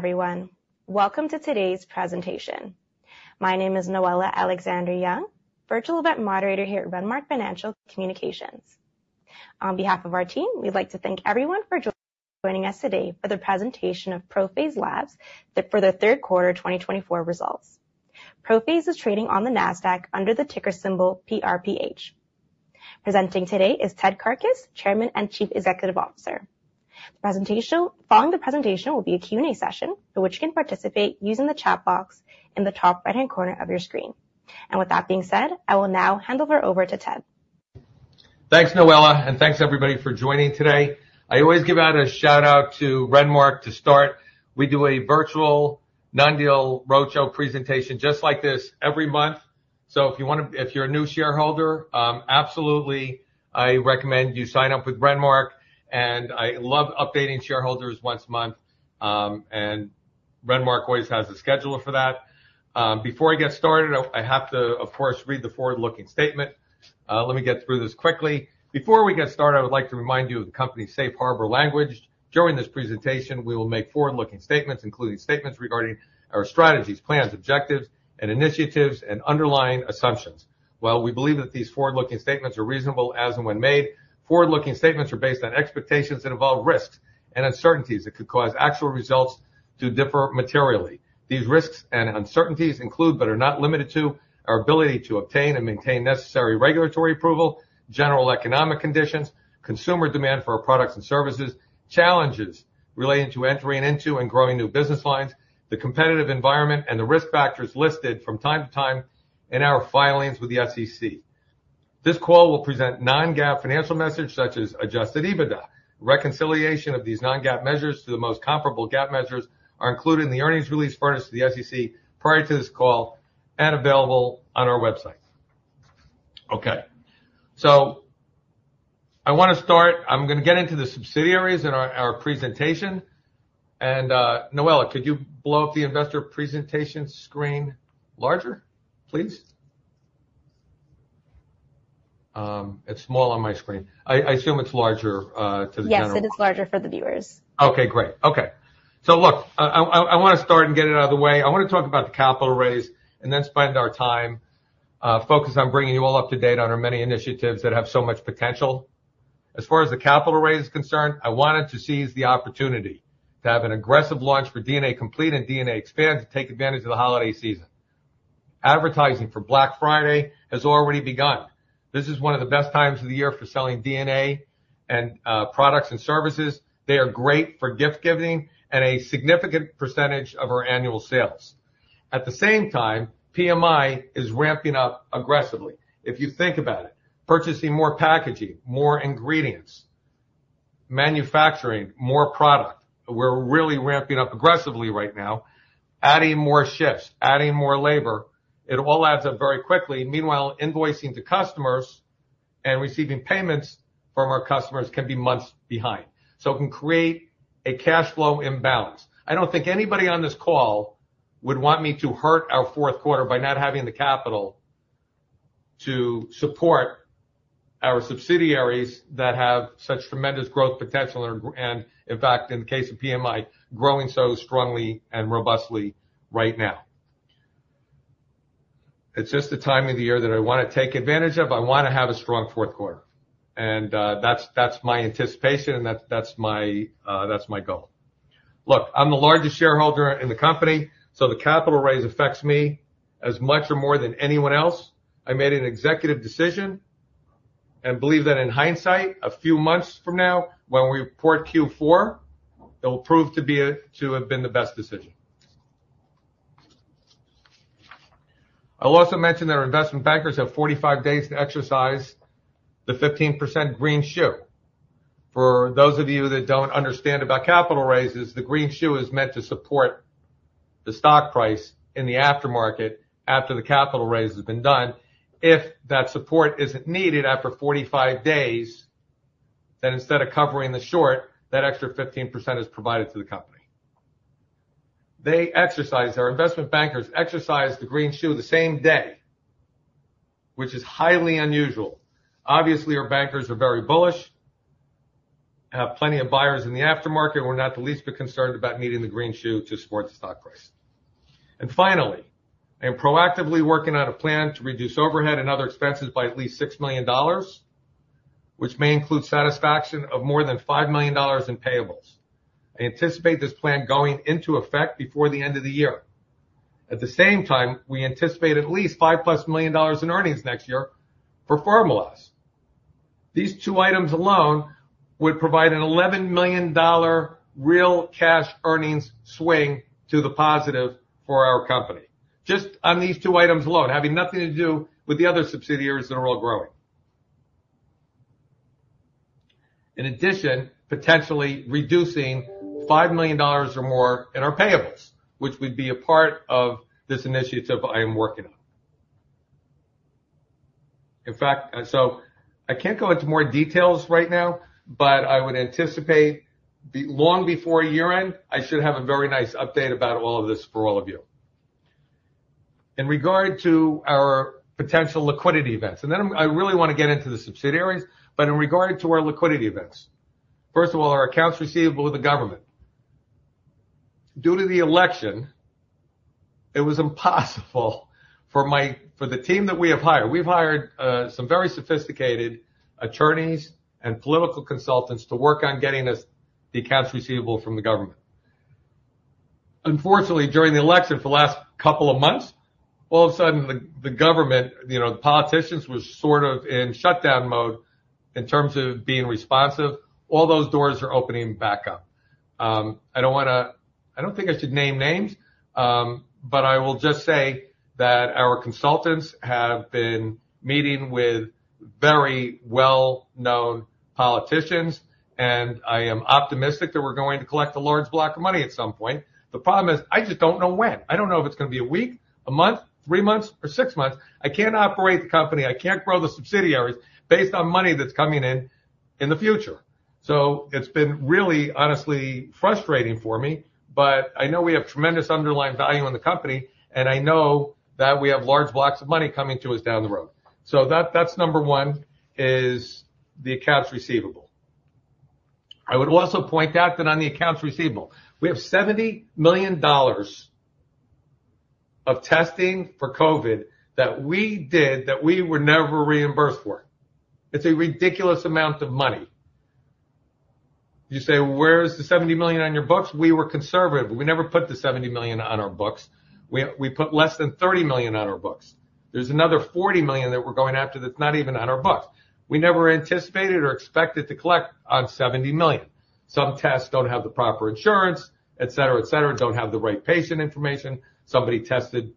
Everyone, welcome to today's presentation. My name is Noella Alexander-Young, Virtual Event Moderator here at Renmark Financial Communications. On behalf of our team, we'd like to thank everyone for joining us today for the presentation of ProPhase Labs for the third quarter 2024 results. ProPhase is trading on the NASDAQ under the ticker symbol PRPH. Presenting today is Ted Karkus, Chairman and Chief Executive Officer. Following the presentation, there will be a Q&A session for which you can participate using the chat box in the top right-hand corner of your screen, and with that being said, I will now hand over to Ted. Thanks, Noella, and thanks everybody for joining today. I always give out a shout-out to Renmark to start. We do a virtual non-deal roadshow presentation just like this every month, so if you want to, if you're a new shareholder, absolutely, I recommend you sign up with Renmark, and I love updating shareholders once a month, and Renmark always has a scheduler for that. Before I get started, I have to, of course, read the forward-looking statement. Let me get through this quickly. Before we get started, I would like to remind you of the company's safe harbor language. During this presentation, we will make forward-looking statements, including statements regarding our strategies, plans, objectives, initiatives, and underlying assumptions. While we believe that these forward-looking statements are reasonable as and when made, forward-looking statements are based on expectations that involve risks and uncertainties that could cause actual results to differ materially. These risks and uncertainties include, but are not limited to, our ability to obtain and maintain necessary regulatory approval, general economic conditions, consumer demand for our products and services, challenges relating to entering into and growing new business lines, the competitive environment, and the risk factors listed from time to time in our filings with the SEC. This call will present non-GAAP financial measures such as adjusted EBITDA. Reconciliation of these non-GAAP measures to the most comparable GAAP measures are included in the earnings release furnished to the SEC prior to this call and available on our website. Okay, so I want to start, I'm going to get into the subsidiaries in our presentation. And Noella, could you blow up the investor presentation screen larger, please? It's s mall on my screen. I assume it's larger to the general audience. Yes, it is larger for the viewers. Okay, great. Okay, so look, I want to start and get it out of the way. I want to talk about the capital raise and then spend our time focused on bringing you all up to date on our many initiatives that have so much potential. As far as the capital raise is concerned, I wanted to seize the opportunity to have an aggressive launch for DNA Complete and DNA Expand to take advantage of the holiday season. Advertising for Black Friday has already begun. This is one of the best times of the year for selling DNA and products and services. They are great for gift giving and a significant percentage of our annual sales. At the same time, PMI is ramping up aggressively. If you think about it, purchasing more packaging, more ingredients, manufacturing, more product, we're really ramping up aggressively right now, adding more shifts, adding more labor. It all adds up very quickly. Meanwhile, invoicing to customers and receiving payments from our customers can be months behind. So it can create a cash flow imbalance. I don't think anybody on this call would want me to hurt our fourth quarter by not having the capital to support our subsidiaries that have such tremendous growth potential and, in fact, in the case of PMI, growing so strongly and robustly right now. It's just the time of the year that I want to take advantage of. I want to have a strong fourth quarter. And that's my anticipation and that's my goal. Look, I'm the largest shareholder in the company. So the capital raise affects me as much or more than anyone else. I made an executive decision and believe that in hindsight, a few months from now, when we report Q4, it will prove to have been the best decision. I'll also mention that our investment bankers have 45 days to exercise the 15% greenshoe. For those of you that don't understand about capital raises, the greenshoe is meant to support the stock price in the aftermarket after the capital raise has been done. If that support isn't needed after 45 days, then instead of covering the short, that extra 15% is provided to the company. They exercise, our investment bankers exercise the greenshoe the same day, which is highly unusual. Obviously, our bankers are very bullish, have plenty of buyers in the aftermarket, and we're not the least bit concerned about needing the greenshoe to support the stock price. And finally, I am proactively working on a plan to reduce overhead and other expenses by at least $6 million, which may include satisfaction of more than $5 million in payables. I anticipate this plan going into effect before the end of the year. At the same time, we anticipate at least $5+ million dollars in earnings next year for Pharmaloz. These two items alone would provide an $11 million real cash earnings swing to the positive for our company. Just on these two items alone, having nothing to do with the other subsidiaries that are all growing. In addition, potentially reducing $5 million or more in our payables, which would be a part of this initiative I am working on. In fact, so I can't go into more details right now, but I would anticipate long before year-end, I should have a very nice update about all of this for all of you. In regard to our potential liquidity events, and then I really want to get into the subsidiaries, but in regard to our liquidity events. First of all, our accounts receivable with the government. Due to the election, it was impossible for the team that we have hired. We've hired some very sophisticated attorneys and political consultants to work on getting us the accounts receivable from the government. Unfortunately, during the election for the last couple of months, all of a sudden, the government, you know, the politicians were sort of in shutdown mode in terms of being responsive. All those doors are opening back up. I don't want to, I don't think I should name names, but I will just say that our consultants have been meeting with very well-known politicians, and I am optimistic that we're going to collect a large block of money at some point. The problem is I just don't know when. I don't know if it's going to be a week, a month, three months, or six months. I can't operate the company. I can't grow the subsidiaries based on money that's coming in in the future. So it's been really, honestly frustrating for me, but I know we have tremendous underlying value in the company, and I know that we have large blocks of money coming to us down the road. So that's number one is the accounts receivable. I would also point out that on the accounts receivable, we have $70 million of testing for COVID that we did that we were never reimbursed for. It's a ridiculous amount of money. You say, where's the $70 million on your books? We were conservative. We never put the $70 million on our books. We put less than $30 million on our books. There's another $40 million that we're going after that's not even on our books. We never anticipated or expected to collect on $70 million. Some tests don't have the proper insurance, et cetera, et cetera, don't have the right patient information. Somebody tested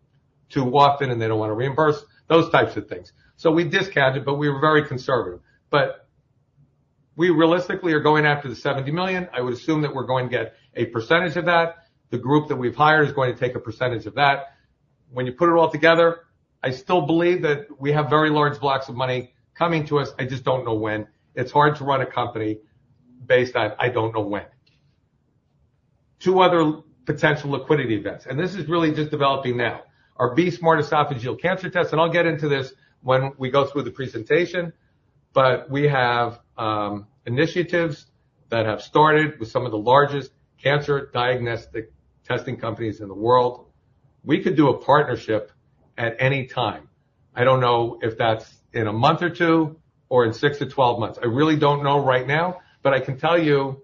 too often and they don't want to reimburse, those types of things. So we discounted, but we were very conservative. But we realistically are going after the $70 million. I would assume that we're going to get a percentage of that. The group that we've hired is going to take a percentage of that. When you put it all together, I still believe that we have very large blocks of money coming to us. I just don't know when. It's hard to run a company based on, I don't know when. Two other potential liquidity events, and this is really just developing now, are BE-smart esophageal cancer tests, and I'll get into this when we go through the presentation, but we have initiatives that have started with some of the largest cancer diagnostic testing companies in the world. We could do a partnership at any time. I don't know if that's in a month or two or in six to 12 months. I really don't know right now, but I can tell you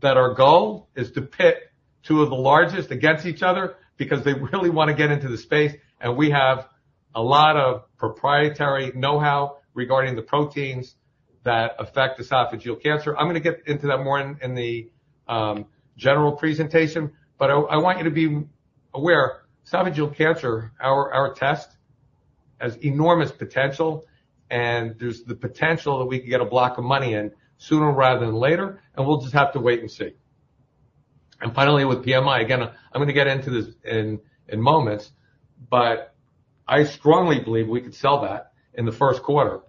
that our goal is to pit two of the largest against each other because they really want to get into the space, and we have a lot of proprietary know-how regarding the proteins that affect esophageal cancer. I'm going to get into that more in the general presentation, but I want you to be aware, esophageal cancer, our test has enormous potential, and there's the potential that we can get a block of money in sooner rather than later, and we'll just have to wait and see. And finally, with PMI, again, I'm going to get into this in moments, but I strongly believe we could sell that in the first quarter.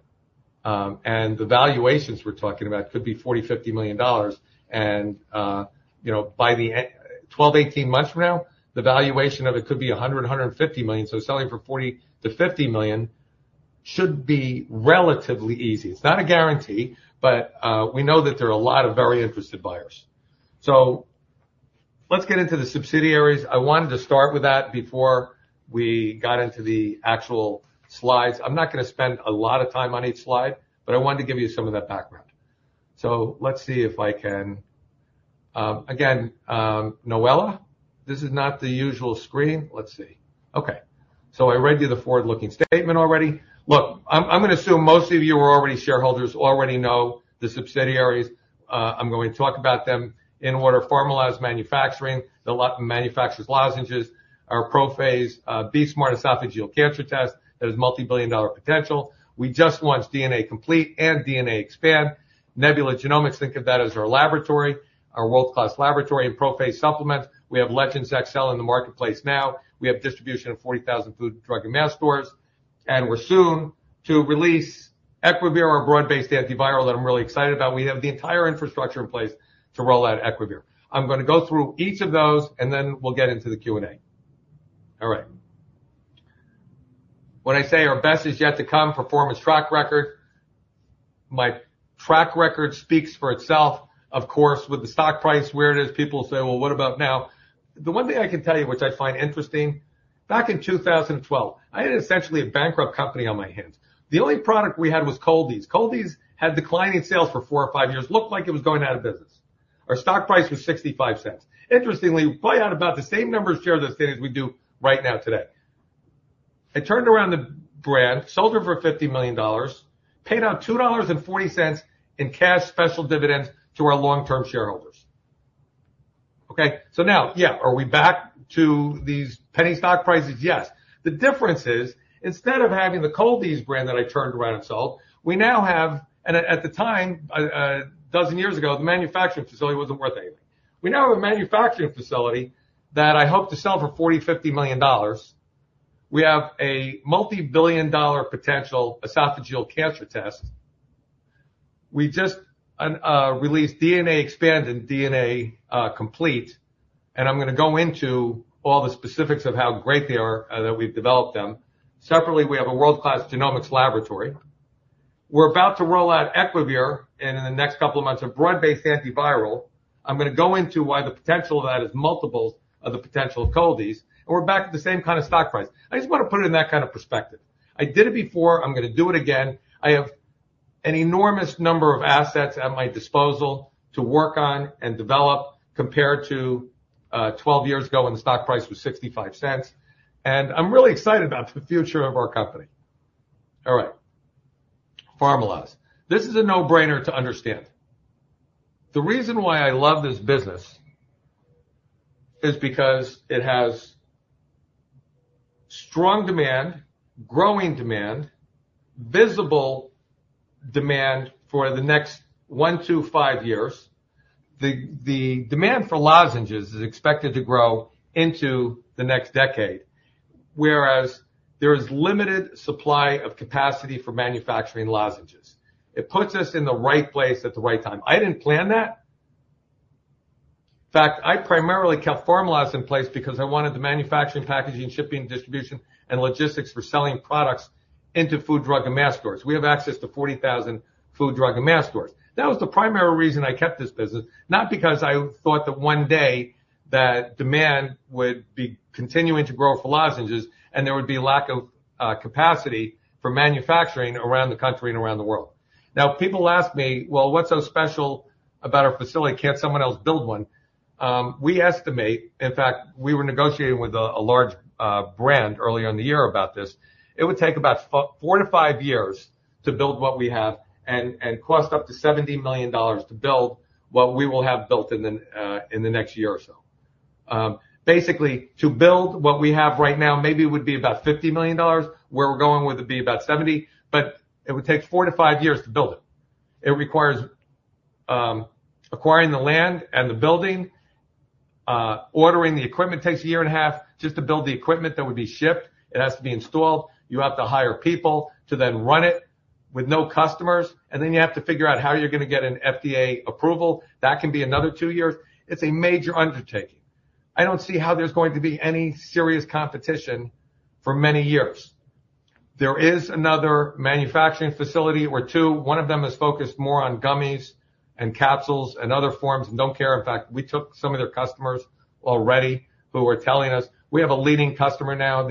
And the valuations we're talking about could be $40 million-$50 million. You know, by the 12 months-18 months from now, the valuation of it could be $100 million-$150 million. Selling for $40 million-$50 million should be relatively easy. It's not a guarantee, but we know that there are a lot of very interested buyers. Let's get into the subsidiaries. I wanted to start with that before we got into the actual slides. I'm not going to spend a lot of time on each slide, but I wanted to give you some of that background. Let's see if I can, again, Noella, this is not the usual screen. Let's see. Okay, I read you the forward-looking statement already. Look, I'm going to assume most of you who are already shareholders already know the subsidiaries. I'm going to talk about them in order of Pharmaloz Manufacturing, the manufacturer of lozenges, our ProPhase BE-Smart esophageal cancer test that has multi-billion-dollar potential. We just launched DNA Complete and DNA Expand. Nebula Genomics think of that as our laboratory, our world-class laboratory and ProPhase Supplements. We have Legendz XL in the marketplace now. We have distribution of 40,000 food, drug, and mass stores and we're soon to release Equivir, our broad-based antiviral that I'm really excited about. We have the entire infrastructure in place to roll out Equivir. I'm going to go through each of those, and then we'll get into the Q&A. All right. When I say our best is yet to come, performance track record, my track record speaks for itself, of course, with the stock price, where it is, people say, well, what about now? The one thing I can tell you, which I find interesting, back in 2012, I had essentially a bankrupt company on my hands. The only product we had was Cold-EEZE. Cold-EEZE had declining sales for four or five years, looked like it was going out of business. Our stock price was $0.65. Interestingly, we're probably at about the same number of shares as we do right now today. I turned around the brand, sold her for $50 million, paid out $2.40 in cash special dividends to our long-term shareholders. Okay, so now, yeah, are we back to these penny stock prices? Yes. The difference is, instead of having the Cold-EEZE brand that I turned around and sold, we now have, and at the time, a dozen years ago, the manufacturing facility wasn't worth anything. We now have a manufacturing facility that I hope to sell for $40 million-$50 million. We have a multi-billion dollar potential esophageal cancer test. We just released DNA Expand and DNA Complete, and I'm going to go into all the specifics of how great they are that we've developed them. Separately, we have a world-class genomics laboratory. We're about to roll out Equivir in the next couple of months, a broad-based antiviral. I'm going to go into why the potential of that is multiples of the potential of Cold-EEZE's, and we're back at the same kind of stock price. I just want to put it in that kind of perspective. I did it before. I'm going to do it again. I have an enormous number of assets at my disposal to work on and develop compared to 12 years ago when the stock price was $0.65, and I'm really excited about the future of our company. All right, Pharmaloz Manufacturing. This is a no-brainer to understand. The reason why I love this business is because it has strong demand, growing demand, visible demand for the next one, two, five years. The demand for lozenges is expected to grow into the next decade, whereas there is limited supply of capacity for manufacturing lozenges. It puts us in the right place at the right time. I didn't plan that. In fact, I primarily kept Pharmaloz in place because I wanted the manufacturing, packaging, shipping, distribution, and logistics for selling products into food, drug, and mass stores. We have access to 40,000 food, drug, and mass stores. That was the primary reason I kept this business, not because I thought that one day that demand would be continuing to grow for lozenges and there would be a lack of capacity for manufacturing around the country and around the world. Now, people ask me, well, what's so special about our facility? Can't someone else build one? We estimate, in fact, we were negotiating with a large brand earlier in the year about this. It would take about four to five years to build what we have and cost up to $70 million to build what we will have built in the next year or so. Basically, to build what we have right now, maybe it would be about $50 million. Where we're going would be about $70 million, but it would take four to five years to build it. It requires acquiring the land and the building. Ordering the equipment takes a year and a half just to build the equipment that would be shipped. It has to be installed. You have to hire people to then run it with no customers, and then you have to figure out how you're going to get an FDA approval. That can be another two years. It's a major undertaking. I don't see how there's going to be any serious competition for many years. There is another manufacturing facility or two. One of them is focused more on gummies and capsules and other forms and don't care. In fact, we took some of their customers already who were telling us we have a leading customer now.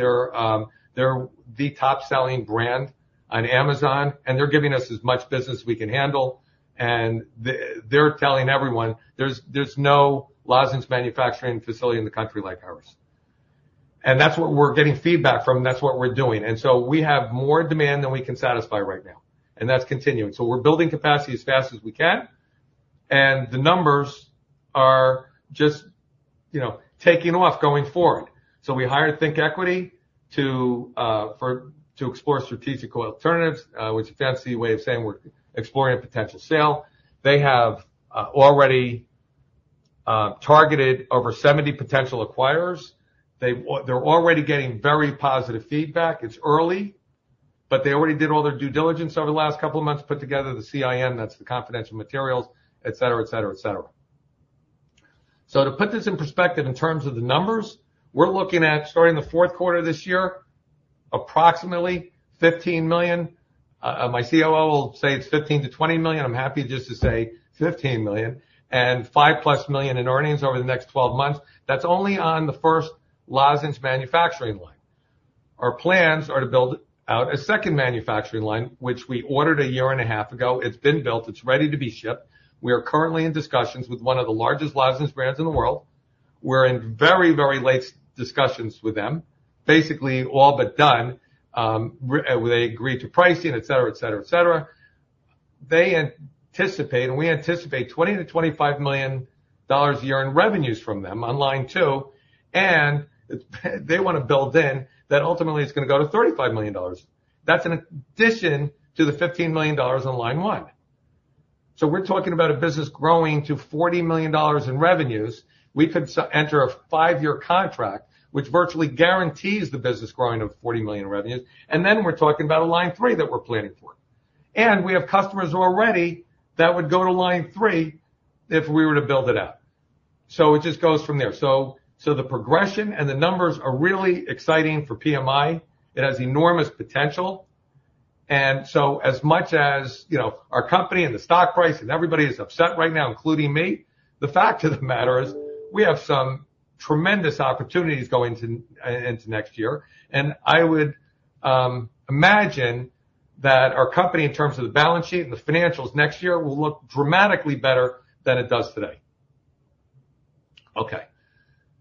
They're the top-selling brand on Amazon, and they're giving us as much business we can handle. And they're telling everyone, there's no lozenge manufacturing facility in the country like ours. And that's what we're getting feedback from. That's what we're doing. And so we have more demand than we can satisfy right now, and that's continuing. We're building capacity as fast as we can, and the numbers are just, you know, taking off going forward. We hired ThinkEquity to explore strategic alternatives, which is a fancy way of saying we're exploring a potential sale. They have already targeted over 70 potential acquirers. They're already getting very positive feedback. It's early, but they already did all their due diligence over the last couple of months, put together the CIN, that's the confidential materials, et cetera, et cetera, et cetera. To put this in perspective in terms of the numbers, we're looking at starting the fourth quarter of this year, approximately $15 million. My COO will say it's $15 million-$20 million. I'm happy just to say $15 million and $5 million plus in earnings over the next 12 months. That's only on the first lozenge manufacturing line. Our plans are to build out a second manufacturing line, which we ordered a year and a half ago. It's been built. It's ready to be shipped. We are currently in discussions with one of the largest lozenge brands in the world. We're in very, very late discussions with them. Basically all but done. They agreed to pricing, et cetera, et cetera, et cetera. They anticipate, and we anticipate $20 million-$25 million a year in revenues from them on line two. And they want to build in that ultimately it's going to go to $35 million. That's in addition to the $15 million on line one. So we're talking about a business growing to $40 million in revenues. We could enter a five-year contract, which virtually guarantees the business growing of $40 million in revenues. And then we're talking about a line three that we're planning for. We have customers already that would go to line three if we were to build it out. It just goes from there. The progression and the numbers are really exciting for PMI. It has enormous potential. As much as, you know, our company and the stock price and everybody is upset right now, including me, the fact of the matter is we have some tremendous opportunities going into next year. I would imagine that our company, in terms of the balance sheet and the financials next year, will look dramatically better than it does today. Okay.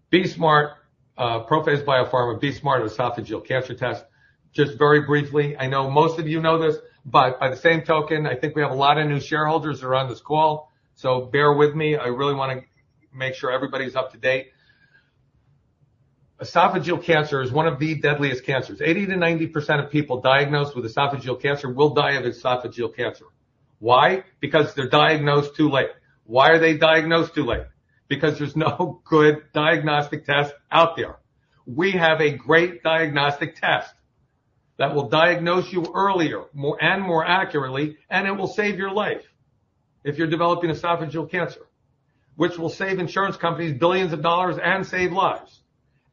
BE-Smart, ProPhase BioPharma, BE-Smart esophageal cancer test. Just very briefly, I know most of you know this, but by the same token, I think we have a lot of new shareholders around this call. Bear with me. I really want to make sure everybody's up to date. Esophageal cancer is one of the deadliest cancers. 80%-90% of people diagnosed with esophageal cancer will die of esophageal cancer. Why? Because they're diagnosed too late. Why are they diagnosed too late? Because there's no good diagnostic test out there. We have a great diagnostic test that will diagnose you earlier and more accurately, and it will save your life if you're developing esophageal cancer, which will save insurance companies billions of dollars and save lives,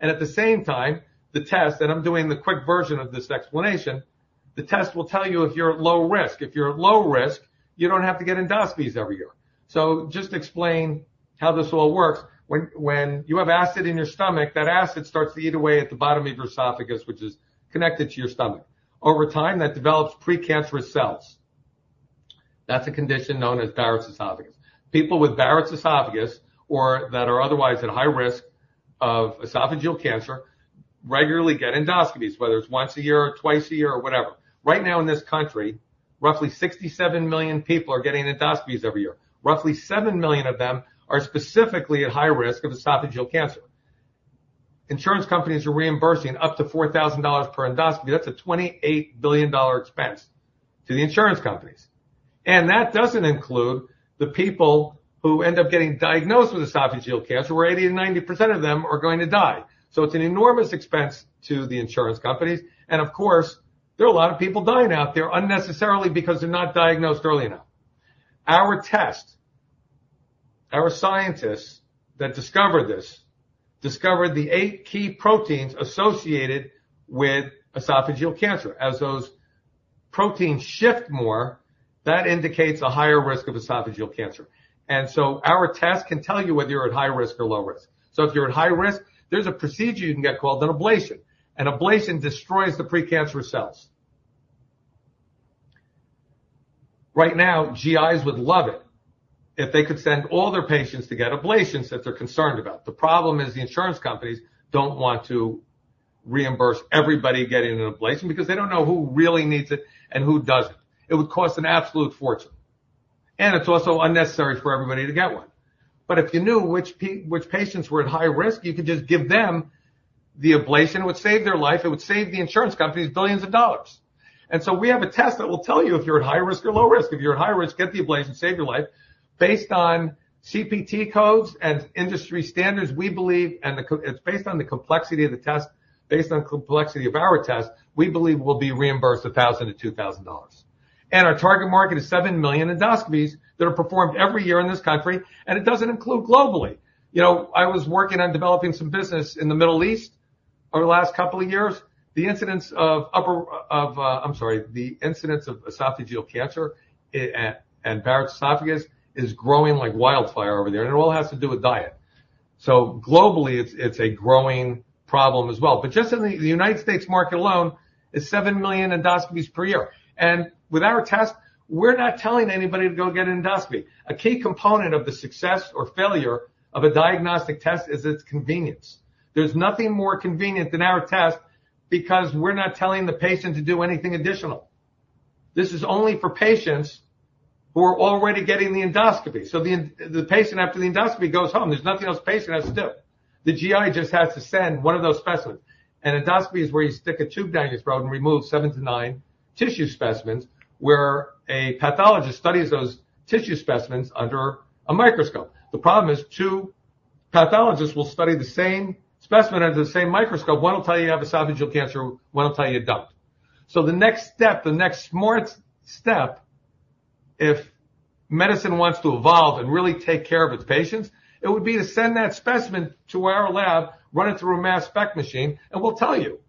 and at the same time, the test, and I'm doing the quick version of this explanation, the test will tell you if you're at low risk. If you're at low risk, you don't have to get endoscopies every year, so just to explain how this all works, when you have acid in your stomach, that acid starts to eat away at the bottom of your esophagus, which is connected to your stomach. Over time, that develops precancerous cells. That's a condition known as Barrett's esophagus. People with Barrett's esophagus or that are otherwise at high risk of esophageal cancer regularly get endoscopies, whether it's once a year or twice a year or whatever. Right now in this country, roughly 67 million people are getting endoscopies every year. Roughly 7 million of them are specifically at high risk of esophageal cancer. Insurance companies are reimbursing up to $4,000 per endoscopy. That's a $28 billion expense to the insurance companies, and that doesn't include the people who end up getting diagnosed with esophageal cancer, where 80%-90% of them are going to die, so it's an enormous expense to the insurance companies, and of course, there are a lot of people dying out there unnecessarily because they're not diagnosed early enough. Our test, our scientists that discovered this, discovered the eight key proteins associated with esophageal cancer. As those proteins shift more, that indicates a higher risk of esophageal cancer. And so our test can tell you whether you're at high risk or low risk. So if you're at high risk, there's a procedure you can get called an ablation. An ablation destroys the precancerous cells. Right now, GIs would love it if they could send all their patients to get ablations that they're concerned about. The problem is the insurance companies don't want to reimburse everybody getting an ablation because they don't know who really needs it and who doesn't. It would cost an absolute fortune. And it's also unnecessary for everybody to get one. But if you knew which patients were at high risk, you could just give them the ablation. It would save their life. It would save the insurance companies billions of dollars, and so we have a test that will tell you if you're at high risk or low risk. If you're at high risk, get the ablation, save your life. Based on CPT codes and industry standards, we believe, and it's based on the complexity of the test, based on the complexity of our test, we believe we'll be reimbursed $1,000-$2,000, and our target market is seven million endoscopies that are performed every year in this country, and it doesn't include globally. You know, I was working on developing some business in the Middle East over the last couple of years. The incidence of esophageal cancer and Barrett's esophagus is growing like wildfire over there, and it all has to do with diet, so globally, it's a growing problem as well. Just in the United States market alone, it's seven million endoscopies per year. With our test, we're not telling anybody to go get an endoscopy. A key component of the success or failure of a diagnostic test is its convenience. There's nothing more convenient than our test because we're not telling the patient to do anything additional. This is only for patients who are already getting the endoscopy. The patient after the endoscopy goes home. There's nothing else the patient has to do. The GI just has to send one of those specimens. An endoscopy is where you stick a tube down your throat and remove seven to nine tissue specimens where a pathologist studies those tissue specimens under a microscope. The problem is two pathologists will study the same specimen under the same microscope. One will tell you you have esophageal cancer. One will tell you you don't, so the next step, the next smart step, if medicine wants to evolve and really take care of its patients, it would be to send that specimen to our lab, run it through a mass spec machine, and we'll tell you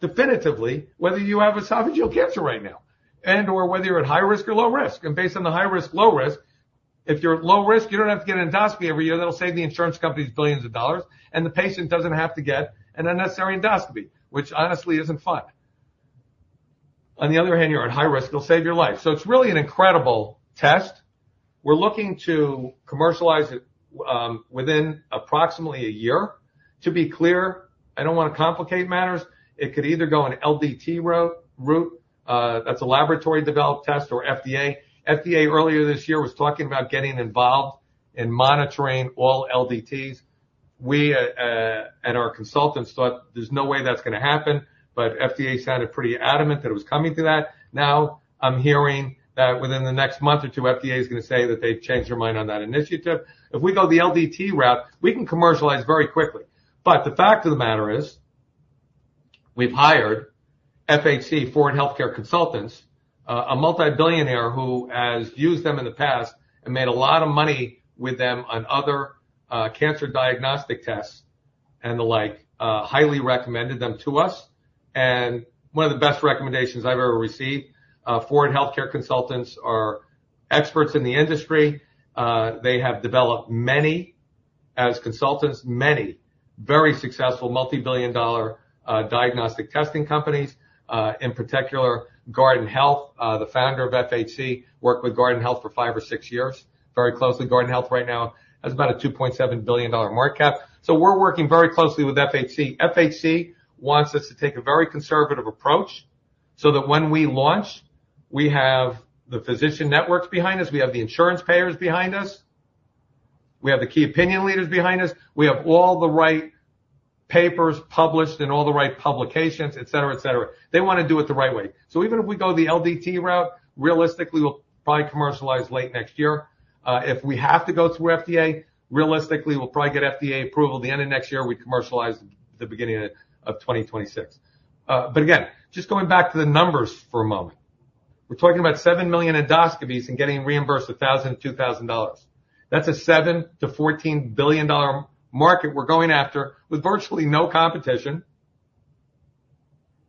definitively whether you have esophageal cancer right now and/or whether you're at high risk or low risk, and based on the high risk, low risk, if you're at low risk, you don't have to get an endoscopy every year. That'll save the insurance companies billions of dollars, and the patient doesn't have to get an unnecessary endoscopy, which honestly isn't fun. On the other hand, you're at high risk. It'll save your life, so it's really an incredible test. We're looking to commercialize it within approximately a year. To be clear, I don't want to complicate matters. It could either go an LDT route. That's a laboratory-developed test or FDA. FDA earlier this year was talking about getting involved in monitoring all LDTs. We and our consultants thought there's no way that's going to happen, but FDA sounded pretty adamant that it was coming to that. Now I'm hearing that within the next month or two, FDA is going to say that they've changed their mind on that initiative. If we go the LDT route, we can commercialize very quickly. But the fact of the matter is we've hired FHC, Ford Healthcare Consultants, a multi-billionaire who has used them in the past and made a lot of money with them on other cancer diagnostic tests and the like, highly recommended them to us. And one of the best recommendations I've ever received, Ford Healthcare Consultants are experts in the industry. They have developed many, as consultants, many very successful multi-billion dollar diagnostic testing companies. In particular, Guardant Health, the founder of FHC, worked with Guardant Health for five or six years very closely. Guardant Health right now has about a $2.7 billion market cap, so we're working very closely with FHC. FHC wants us to take a very conservative approach so that when we launch, we have the physician networks behind us. We have the insurance payers behind us. We have the key opinion leaders behind us. We have all the right papers published and all the right publications, et cetera, et cetera. They want to do it the right way, so even if we go the LDT route, realistically, we'll probably commercialize late next year. If we have to go through FDA, realistically, we'll probably get FDA approval at the end of next year. We commercialize at the beginning of 2026. But again, just going back to the numbers for a moment, we're talking about 7 million endoscopies and getting reimbursed $1,000-$2,000. That's a $7 billion-$14 billion market we're going after with virtually no competition.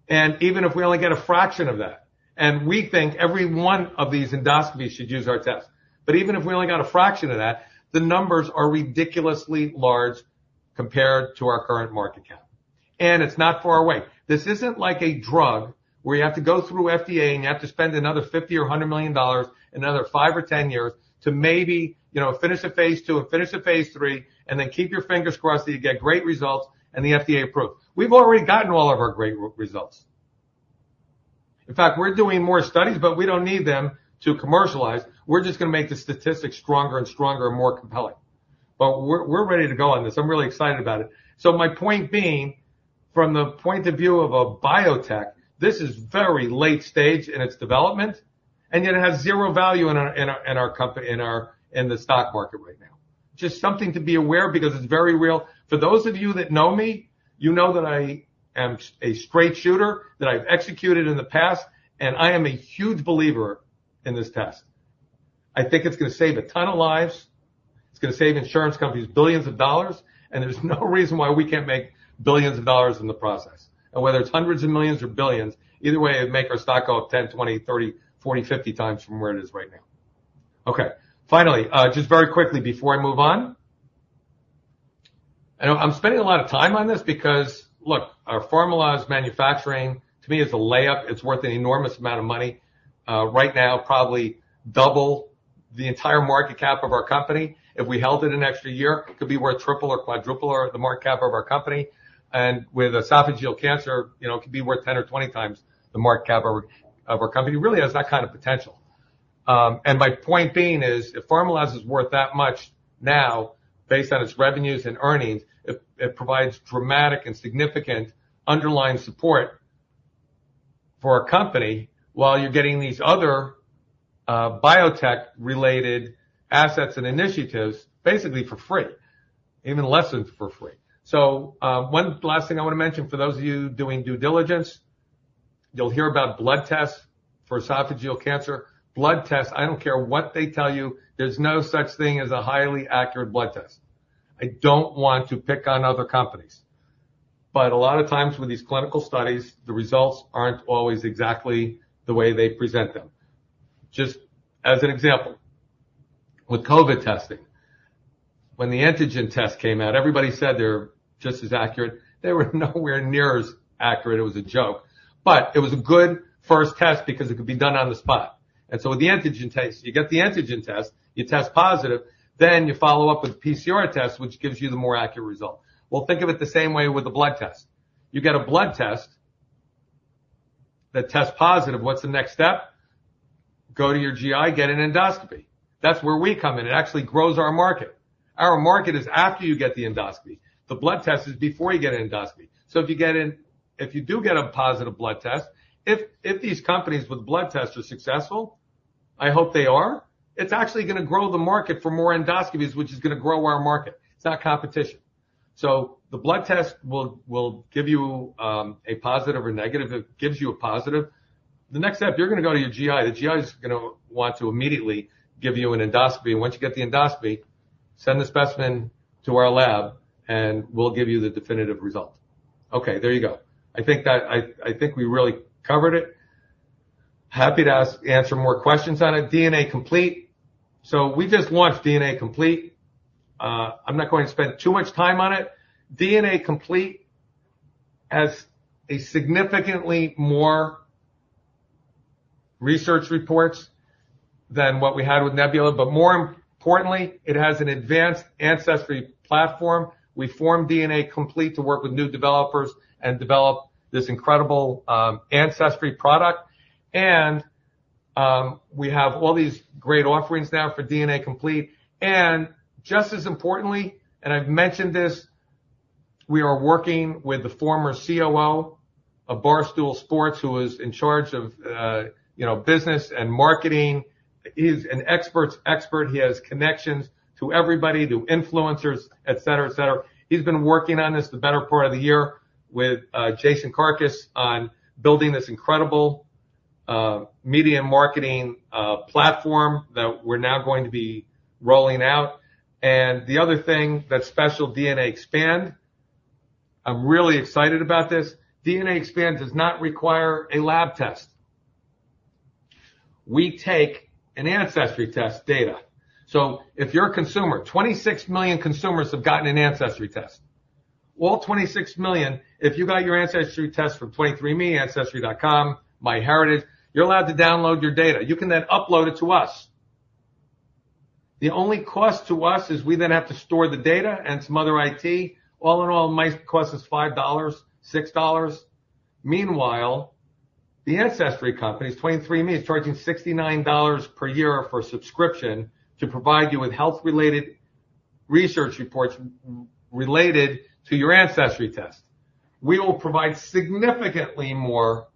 And even if we only get a fraction of that, and we think every one of these endoscopies should use our tests, but even if we only got a fraction of that, the numbers are ridiculously large compared to our current market cap. And it's not far away. This isn't like a drug where you have to go through FDA and you have to spend another $50 million or $100 million in another five or ten years to maybe, you know, finish a phase II and finish a phase III and then keep your fingers crossed that you get great results and the FDA approves. We've already gotten all of our great results. In fact, we're doing more studies, but we don't need them to commercialize. We're just going to make the statistics stronger and stronger and more compelling. But we're ready to go on this. I'm really excited about it. So my point being, from the point of view of a biotech, this is very late stage in its development and yet it has zero value in our company in the stock market right now. Just something to be aware, because it's very real. For those of you that know me, you know that I am a straight shooter, that I've executed in the past, and I am a huge believer in this test. I think it's going to save a ton of lives. It's going to save insurance companies billions of dollars, and there's no reason why we can't make billions of dollars in the process, and whether it's hundreds of millions or billions, either way, it'd make our stock go up 10, 20, 30, 40, 50 times from where it is right now. Okay. Finally, just very quickly before I move on, I'm spending a lot of time on this because, look, our formalized manufacturing, to me, is a layup. It's worth an enormous amount of money. Right now, probably double the entire market cap of our company. If we held it an extra year, it could be worth triple or quadruple the market cap of our company, and with esophageal cancer, you know, it could be worth 10 or 20 times the market cap of our company. It really has that kind of potential. And my point being is if Pharmaloz is worth that much now, based on its revenues and earnings, it provides dramatic and significant underlying support for our company while you're getting these other biotech-related assets and initiatives basically for free, even less than for free. So one last thing I want to mention for those of you doing due diligence, you'll hear about blood tests for esophageal cancer. Blood tests, I don't care what they tell you, there's no such thing as a highly accurate blood test. I don't want to pick on other companies. But a lot of times with these clinical studies, the results aren't always exactly the way they present them. Just as an example, with COVID testing, when the antigen test came out, everybody said they were just as accurate. They were nowhere near as accurate. It was a joke. But it was a good first test because it could be done on the spot. And so with the antigen test, you get the antigen test, you test positive, then you follow up with PCR test, which gives you the more accurate result. Well, think of it the same way with the blood test. You get a blood test that tests positive. What's the next step? Go to your GI, get an endoscopy. That's where we come in. It actually grows our market. Our market is after you get the endoscopy. The blood test is before you get an endoscopy. So if you get in, if you do get a positive blood test, if these companies with blood tests are successful, I hope they are, it's actually going to grow the market for more endoscopies, which is going to grow our market. It's not competition. The blood test will give you a positive or negative. It gives you a positive. The next step, you're going to go to your GI. The GI is going to want to immediately give you an endoscopy. And once you get the endoscopy, send the specimen to our lab and we'll give you the definitive result. Okay, there you go. I think that I think we really covered it. Happy to answer more questions on it. DNA Complete. We just launched DNA Complete. I'm not going to spend too much time on it. DNA Complete has significantly more research reports than what we had with Nebula, but more importantly, it has an advanced ancestry platform. We formed DNA Complete to work with new developers and develop this incredible ancestry product. And we have all these great offerings now for DNA Complete. And just as importantly, and I've mentioned this, we are working with the former COO of Barstool Sports, who is in charge of, you know, business and marketing. He's an expert's expert. He has connections to everybody, to influencers, et cetera, et cetera. He's been working on this the better part of the year with Jason Karkus on building this incredible media marketing platform that we're now going to be rolling out. And the other thing that's special, DNA Expand. I'm really excited about this. DNA Expand does not require a lab test. We take an ancestry test data. So if you're a consumer, 26 million consumers have gotten an ancestry test. All 26 million, if you got your ancestry test from 23andMe, Ancestry.com, MyHeritage, you're allowed to download your data. You can then upload it to us. The only cost to us is we then have to store the data and some other IT. All in all, my cost is $5-$6. Meanwhile, the ancestry companies, 23andMe is charging $69 per year for a subscription to provide you with health-related research reports related to your ancestry test. We will provide significantly more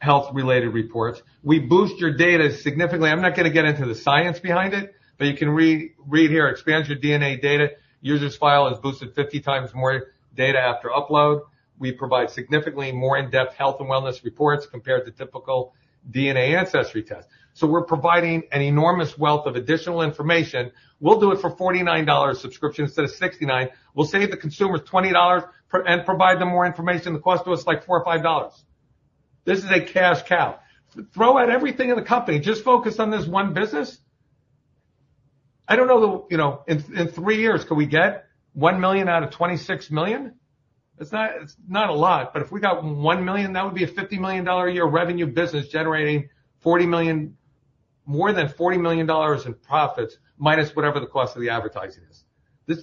health-related reports. We boost your data significantly. I'm not going to get into the science behind it, but you can read here. Expand your DNA data. User's file is boosted 50 times more data after upload. We provide significantly more in-depth health and wellness reports compared to typical DNA ancestry test. So we're providing an enormous wealth of additional information. We'll do it for $49 subscription instead of $69. We'll save the consumer $20 and provide them more information. The cost to us is like $4 or $5. This is a cash cow. Throw out everything in the company. Just focus on this one business. I don't know that, you know, in three years, could we get $1 million out of $26 million? It's not a lot, but if we got $1 million, that would be a $50 million a year revenue business generating $40 million, more than $40 million in profits, minus whatever the cost of the advertising is.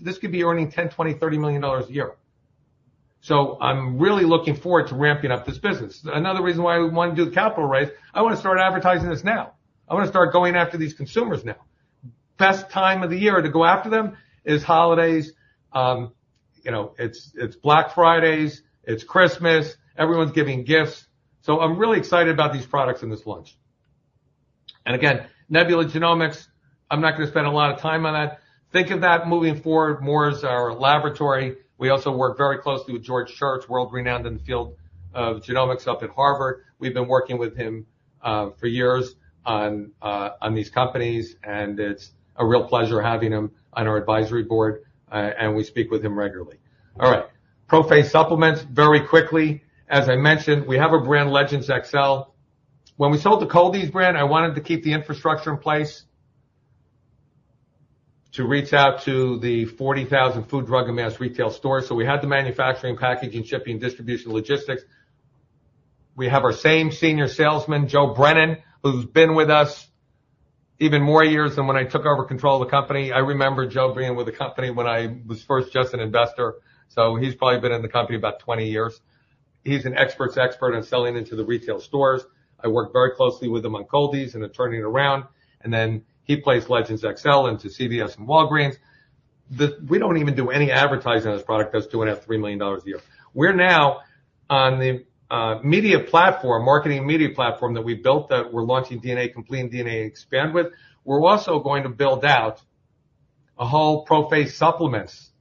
This could be earning $10 million, $20 million, $30 million a year. I'm really looking forward to ramping up this business. Another reason why we want to do the capital raise. I want to start advertising this now. I want to start going after these consumers now. Best time of the year to go after them is holidays. You know, it's Black Fridays, it's Christmas. Everyone's giving gifts. I'm really excited about these products in this launch. Again, Nebula Genomics. I'm not going to spend a lot of time on that. Think of that moving forward more as our laboratory. We also work very closely with George Church, world-renowned in the field of genomics up at Harvard. We've been working with him for years on these companies, and it's a real pleasure having him on our advisory board, and we speak with him regularly. All right. ProPhase Supplements, very quickly. As I mentioned, we have a brand, Legendz XL. When we sold the Cold-EEZE brand, I wanted to keep the infrastructure in place to reach out to the 40,000 food, drug, and mass retail stores. So we had the manufacturing, packaging, shipping, distribution, logistics. We have our same senior salesman, Joe Brennan, who's been with us even more years than when I took over control of the company. I remember Joe being with the company when I was first just an investor. So he's probably been in the company about 20 years. He's an experts' expert on selling into the retail stores. I work very closely with him on Cold-EEZE and turning it around. And then he plays Legendz XL into CVS and Walgreens. We don't even do any advertising on this product that's doing $3 million a year. We're now on the media platform, marketing media platform that we built that we're launching DNA Complete and DNA Expand with. We're also going to build out a whole ProPhase Supplements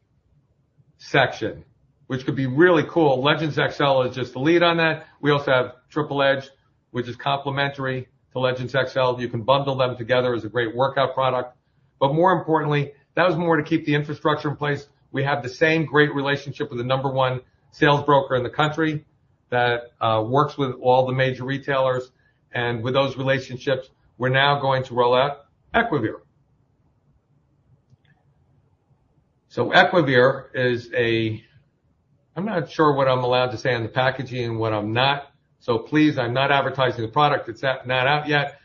section, which could be really cool. Legendz XL is just the lead on that. We also have Triple Edge, which is complementary to Legendz XL. You can bundle them together as a great workout product. But more importantly, that was more to keep the infrastructure in place. We have the same great relationship with the number one sales broker in the country that works with all the major retailers. And with those relationships, we're now going to roll out Equivir. So Equivir is a, I'm not sure what I'm allowed to say on the packaging and what I'm not. So please, I'm not advertising the product. It's not out yet.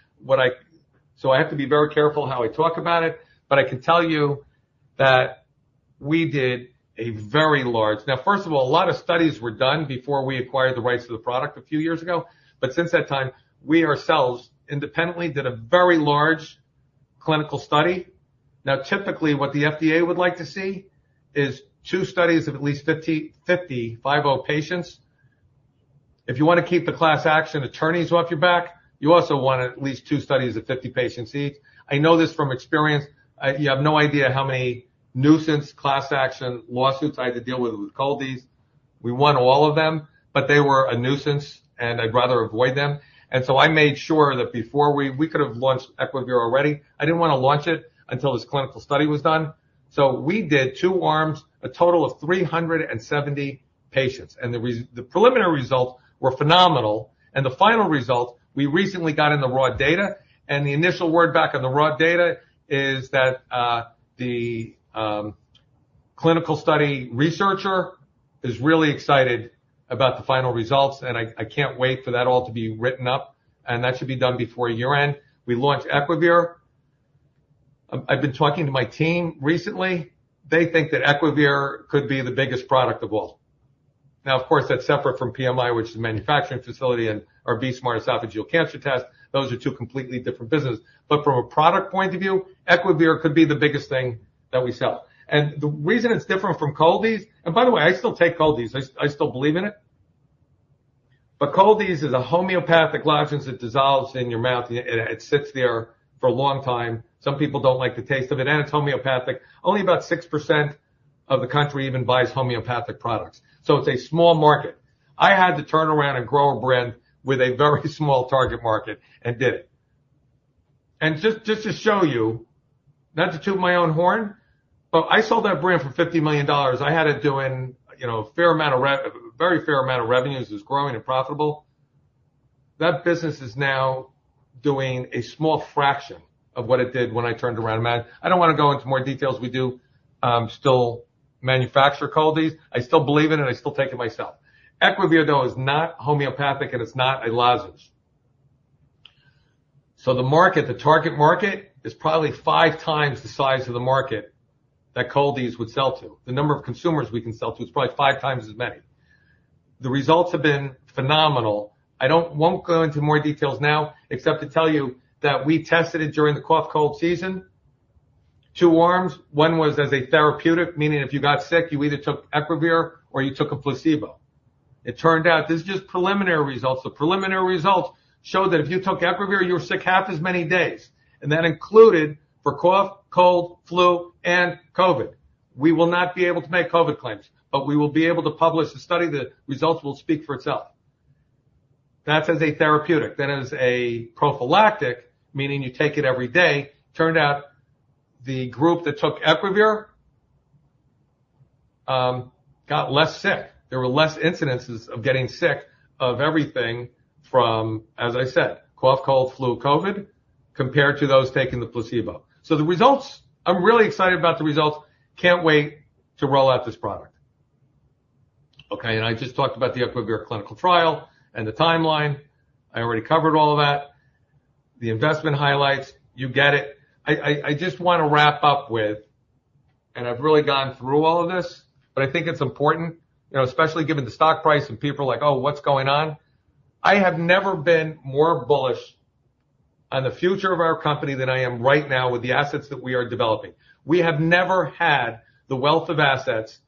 So I have to be very careful how I talk about it. But I can tell you that we did a very large, now, first of all, a lot of studies were done before we acquired the rights to the product a few years ago. But since that time, we ourselves independently did a very large clinical study. Now, typically, what the FDA would like to see is two studies of at least 50, 50, 50 patients. If you want to keep the class action attorneys off your back, you also want at least two studies of 50 patients each. I know this from experience. You have no idea how many nuisance class action lawsuits I had to deal with with Koldis. We won all of them, but they were a nuisance, and I'd rather avoid them, and so I made sure that before we could have launched Equivir already, I didn't want to launch it until this clinical study was done. So we did two arms, a total of 370 patients. And the preliminary results were phenomenal, and the final result, we recently got in the raw data, and the initial word back on the raw data is that the clinical study researcher is really excited about the final results, and I can't wait for that all to be written up. And that should be done before year-end. We launched Equivir. I've been talking to my team recently. They think that Equivir could be the biggest product of all. Now, of course, that's separate from PMI, which is a manufacturing facility, and our BE-Smart esophageal cancer test. Those are two completely different businesses. But from a product point of view, Equivir could be the biggest thing that we sell. And the reason it's different from Cold-EEZE, and by the way, I still take Cold-EEZE. I still believe in it. But Cold-EEZE is a homeopathic lozenge that dissolves in your mouth. It sits there for a long time. Some people don't like the taste of it. And it's homeopathic. Only about 6% of the country even buys homeopathic products. So it's a small market. I had to turn around and grow a brand with a very small target market and did it. Just to show you, not to toot my own horn, but I sold that brand for $50 million. I had it doing, you know, a fair amount of revenue, a very fair amount of revenues. It was growing and profitable. That business is now doing a small fraction of what it did when I turned around. I don't want to go into more details. We do still manufacture Cold-EEZE. I still believe in it. I still take it myself. Equivir, though, is not homeopathic, and it's not a lozenge. So the market, the target market, is probably five times the size of the market that Cold-EEZE would sell to. The number of consumers we can sell to is probably five times as many. The results have been phenomenal. I won't go into more details now, except to tell you that we tested it during the cough, cold season. Two arms. One was as a therapeutic, meaning if you got sick, you either took Equivir or you took a placebo. It turned out. This is just preliminary results. The preliminary results showed that if you took Equivir, you were sick half as many days. And that included for cough, cold, flu, and COVID. We will not be able to make COVID claims, but we will be able to publish a study. The results will speak for itself. That's as a therapeutic. That is a prophylactic, meaning you take it every day. Turned out the group that took Equivir got less sick. There were less incidences of getting sick of everything from, as I said, cough, cold, flu, COVID, compared to those taking the placebo. So the results, I'm really excited about the results. Can't wait to roll out this product. Okay, and I just talked about the Equivir clinical trial and the timeline. I already covered all of that. The investment highlights, you get it. I just want to wrap up with, and I've really gone through all of this, but I think it's important, you know, especially given the stock price and people are like, "Oh, what's going on?" I have never been more bullish on the future of our company than I am right now with the assets that we are developing. We have never had the wealth of assets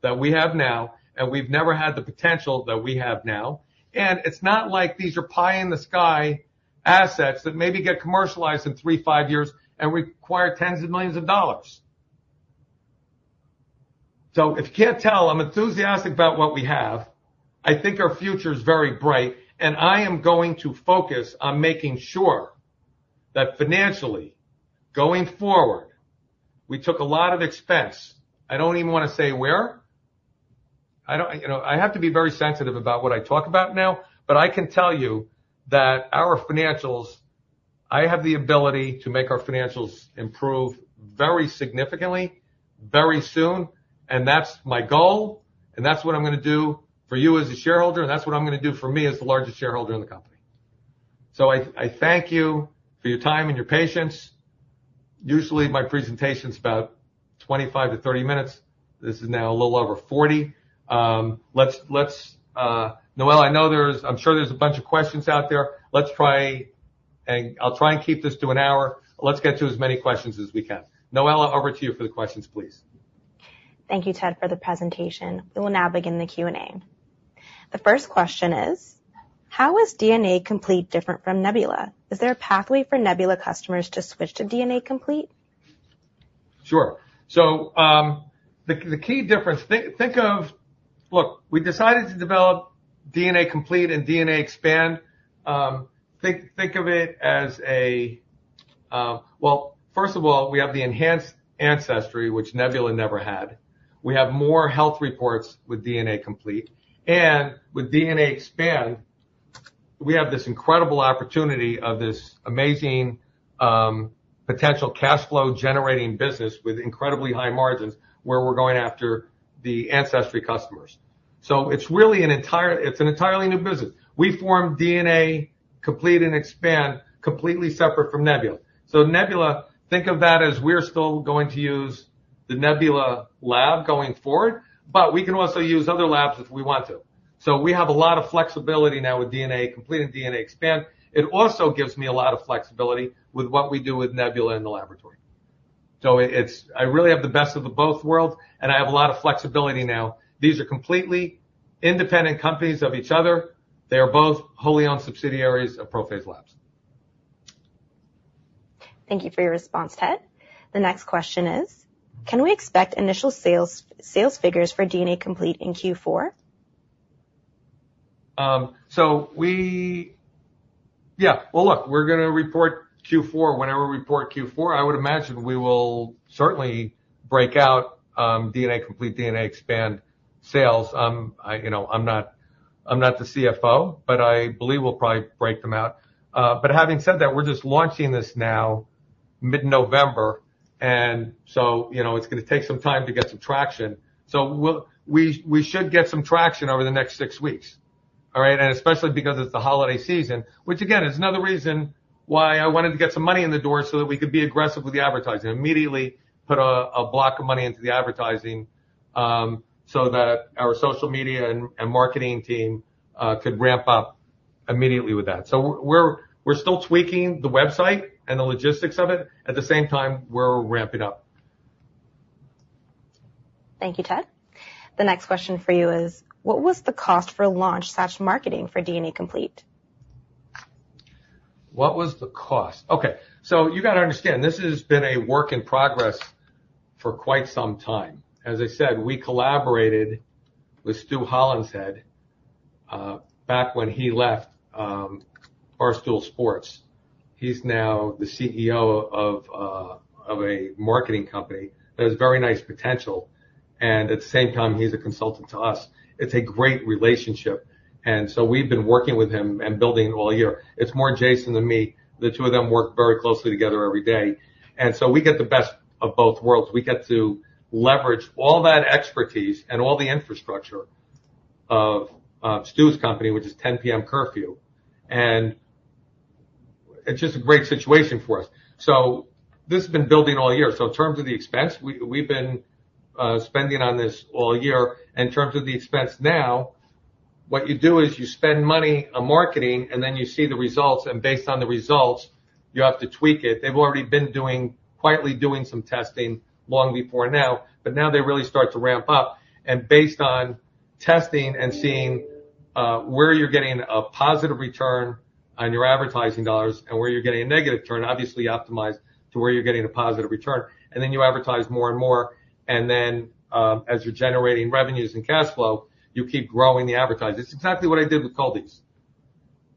that we have now, and we've never had the potential that we have now. And it's not like these are pie-in-the-sky assets that maybe get commercialized in three, five years and require tens of millions of dollars. So if you can't tell, I'm enthusiastic about what we have. I think our future is very bright, and I am going to focus on making sure that financially, going forward, we took a lot of expense. I don't even want to say where. I don't, you know, I have to be very sensitive about what I talk about now, but I can tell you that our financials, I have the ability to make our financials improve very significantly, very soon. And that's my goal. And that's what I'm going to do for you as a shareholder. And that's what I'm going to do for me as the largest shareholder in the company. So I thank you for your time and your patience. Usually, my presentation is about 25 minutes-30 minutes. This is now a little over 40 minutes. Let's, Noella, I know there's, I'm sure there's a bunch of questions out there. Let's try, and I'll try and keep this to an hour. Let's get to as many questions as we can. Noella, over to you for the questions, please. Thank you, Ted, for the presentation. We will now begin the Q&A. The first question is, how is DNA Complete different from Nebula? Is there a pathway for Nebula customers to switch to DNA Complete? Sure. So the key difference, think of, look, we decided to develop DNA Complete and DNA Expand. Think of it as a, well, first of all, we have the enhanced ancestry, which Nebula never had. We have more health reports with DNA Complete. And with DNA Expand, we have this incredible opportunity of this amazing potential cash flow generating business with incredibly high margins where we're going after the ancestry customers. So it's really an entirely new business. We formed DNA Complete and Expand completely separate from Nebula. So Nebula, think of that as we're still going to use the Nebula lab going forward, but we can also use other labs if we want to. So we have a lot of flexibility now with DNA Complete and DNA Expand. It also gives me a lot of flexibility with what we do with Nebula in the laboratory. So it's. I really have the best of the both worlds, and I have a lot of flexibility now. These are completely independent companies of each other. They are both wholly owned subsidiaries of ProPhase Labs. Thank you for your response, Ted. The next question is, can we expect initial sales figures for DNA Complete in Q4? We're going to report Q4. Whenever we report Q4, I would imagine we will certainly break out DNA Complete, DNA Expand sales. You know, I'm not the CFO, but I believe we'll probably break them out. But having said that, we're just launching this now, mid-November. And so, you know, it's going to take some time to get some traction. We should get some traction over the next six weeks. All right. Especially because it's the holiday season, which again is another reason why I wanted to get some money in the door so that we could be aggressive with the advertising. Immediately put a block of money into the advertising so that our social media and marketing team could ramp up immediately with that. So we're still tweaking the website and the logistics of it. At the same time, we're ramping up. Thank you, Ted. The next question for you is, what was the cost for launch/marketing for DNA Complete? What was the cost? Okay. So you got to understand, this has been a work in progress for quite some time. As I said, we collaborated with Stu Hollenshead, head back when he left Barstool Sports. He's now the CEO of a marketing company that has very nice potential. And at the same time, he's a consultant to us. It's a great relationship. And so we've been working with him and building all year. It's more Jason than me. The two of them work very closely together every day. And so we get the best of both worlds. We get to leverage all that expertise and all the infrastructure of Stu's company, which is 10PM Curfew. And it's just a great situation for us. So this has been building all year. So in terms of the expense, we've been spending on this all year. And in terms of the expense now, what you do is you spend money on marketing, and then you see the results. And based on the results, you have to tweak it. They've already been quietly doing some testing long before now, but now they really start to ramp up. And based on testing and seeing where you're getting a positive return on your advertising dollars and where you're getting a negative turn, obviously optimize to where you're getting a positive return. And then you advertise more and more. And then as you're generating revenues and cash flow, you keep growing the advertising. It's exactly what I did with Cold-EEZE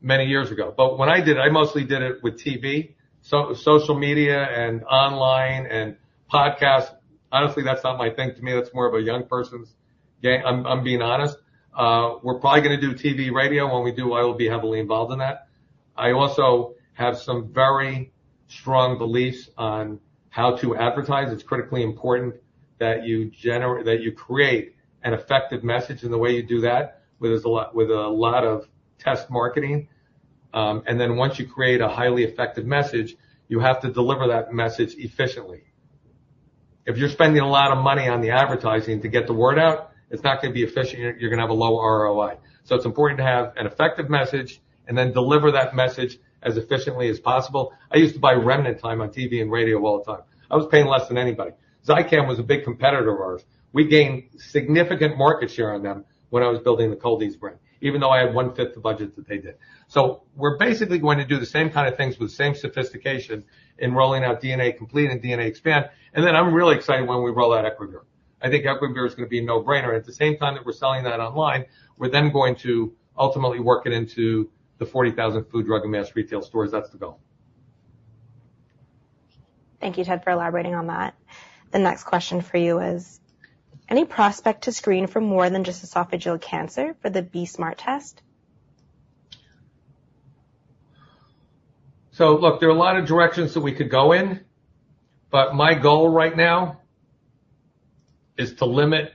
many years ago. But when I did it, I mostly did it with TV, social media, and online and podcasts. Honestly, that's not my thing to me. That's more of a young person's game. I'm being honest. We're probably going to do TV, radio. When we do, I will be heavily involved in that. I also have some very strong beliefs on how to advertise. It's critically important that you create an effective message in the way you do that with a lot of test marketing. And then once you create a highly effective message, you have to deliver that message efficiently. If you're spending a lot of money on the advertising to get the word out, it's not going to be efficient. You're going to have a low ROI. So it's important to have an effective message and then deliver that message as efficiently as possible. I used to buy remnant time on TV and radio all the time. I was paying less than anybody. Zicam was a big competitor of ours. We gained significant market share on them when I was building the Cold-EEZE brand, even though I had one-fifth the budget that they did. So we're basically going to do the same kind of things with the same sophistication in rolling out DNA Complete and DNA Expand. And then I'm really excited when we roll out Equivir. I think Equivir is going to be a no-brainer. At the same time that we're selling that online, we're then going to ultimately work it into the 40,000 food, drug, and mass retail stores. That's the goal. Thank you, Ted, for elaborating on that. The next question for you is, any prospect to screen for more than just esophageal cancer for the BE-Smart test? So look, there are a lot of directions that we could go in, but my goal right now is to limit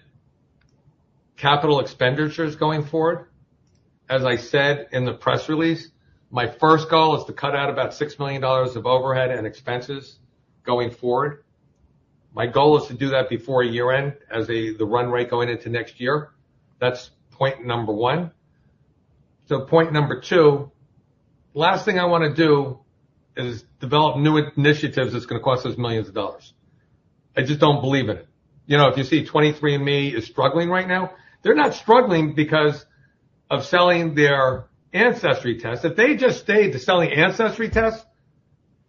capital expenditures going forward. As I said in the press release, my first goal is to cut out about $6 million of overhead and expenses going forward. My goal is to do that before year-end as the run rate going into next year. That's point number one. So point number two, the last thing I want to do is develop new initiatives that's going to cost us millions of dollars. I just don't believe in it. You know, if you see 23andMe is struggling right now, they're not struggling because of selling their ancestry tests. If they just stayed to selling ancestry tests,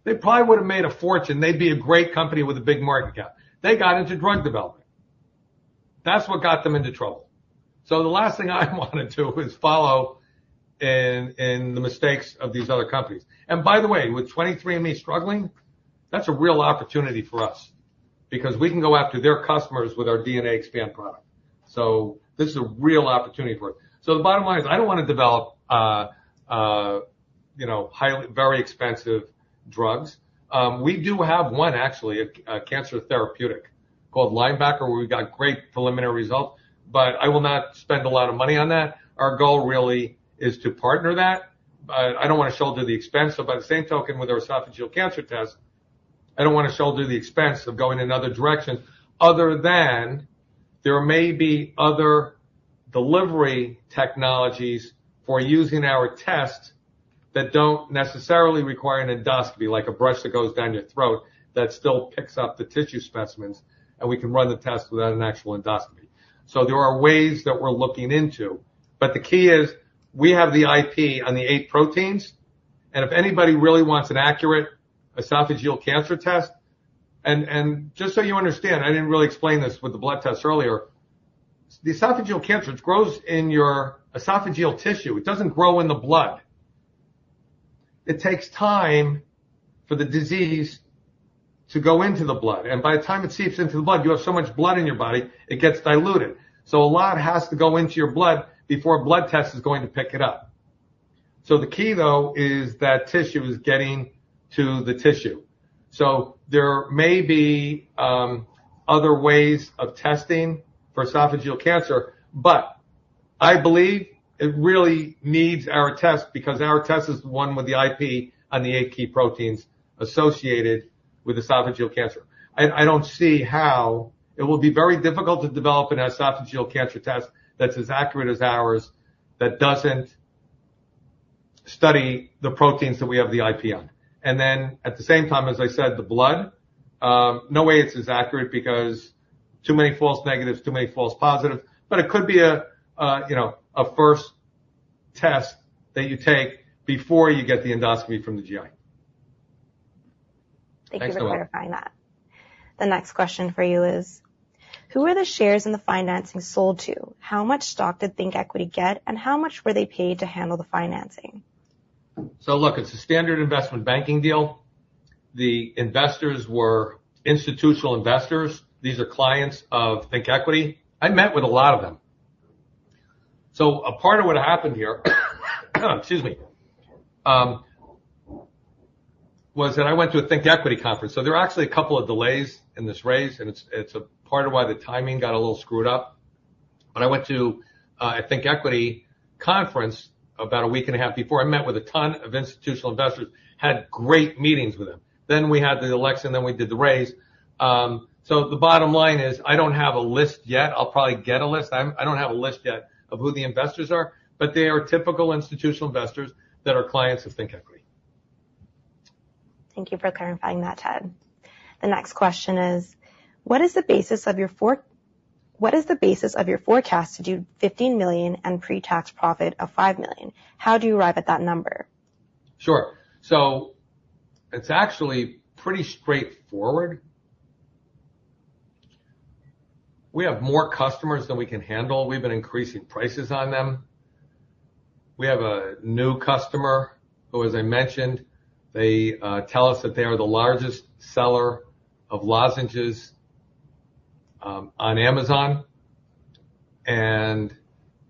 they probably would have made a fortune. They'd be a great company with a big market cap. They got into drug development. That's what got them into trouble. So the last thing I want to do is follow in the mistakes of these other companies. And by the way, with 23andMe struggling, that's a real opportunity for us because we can go after their customers with our DNA Expand product. So this is a real opportunity for us. So the bottom line is I don't want to develop, you know, very expensive drugs. We do have one, actually, a cancer therapeutic called Linebacker, where we got great preliminary results, but I will not spend a lot of money on that. Our goal really is to partner that. I don't want to shoulder the expense. But by the same token, with our esophageal cancer test, I don't want to shoulder the expense of going in other directions other than there may be other delivery technologies for using our tests that don't necessarily require an endoscopy, like a brush that goes down your throat that still picks up the tissue specimens, and we can run the test without an actual endoscopy. So there are ways that we're looking into. But the key is we have the IP on the eight proteins. And if anybody really wants an accurate esophageal cancer test, and just so you understand, I didn't really explain this with the blood test earlier, the esophageal cancer, it grows in your esophageal tissue. It doesn't grow in the blood. It takes time for the disease to go into the blood. And by the time it seeps into the blood, you have so much blood in your body, it gets diluted. So a lot has to go into your blood before a blood test is going to pick it up. So the key, though, is that tissue is getting to the tissue. So there may be other ways of testing for esophageal cancer, but I believe it really needs our test because our test is the one with the IP on the eight key proteins associated with esophageal cancer. I don't see how it will be very difficult to develop an esophageal cancer test that's as accurate as ours that doesn't study the proteins that we have the IP on. And then at the same time, as I said, the blood, no way it's as accurate because too many false negatives, too many false positives. But it could be, you know, a first test that you take before you get the endoscopy from the GI. Thank you for clarifying that. The next question for you is, who were the shares in the financing sold to? How much stock did ThinkEquity get? And how much were they paid to handle the financing? Look, it's a standard investment banking deal. The investors were institutional investors. These are clients of ThinkEquity. I met with a lot of them. A part of what happened here, excuse me, was that I went to a ThinkEquity conference. There were actually a couple of delays in this raise. It's a part of why the timing got a little screwed up. I went to a ThinkEquity conference about a week and a half before. I met with a ton of institutional investors, had great meetings with them. We had the election, then we did the raise. The bottom line is I don't have a list yet. I'll probably get a list. I don't have a list yet of who the investors are, but they are typical institutional investors that are clients of ThinkEquity. Thank you for clarifying that, Ted. The next question is, what is the basis of your forecast to do $15 million and pre-tax profit of $5 million? How do you arrive at that number? Sure. So it's actually pretty straightforward. We have more customers than we can handle. We've been increasing prices on them. We have a new customer who, as I mentioned, they tell us that they are the largest seller of lozenges on Amazon. And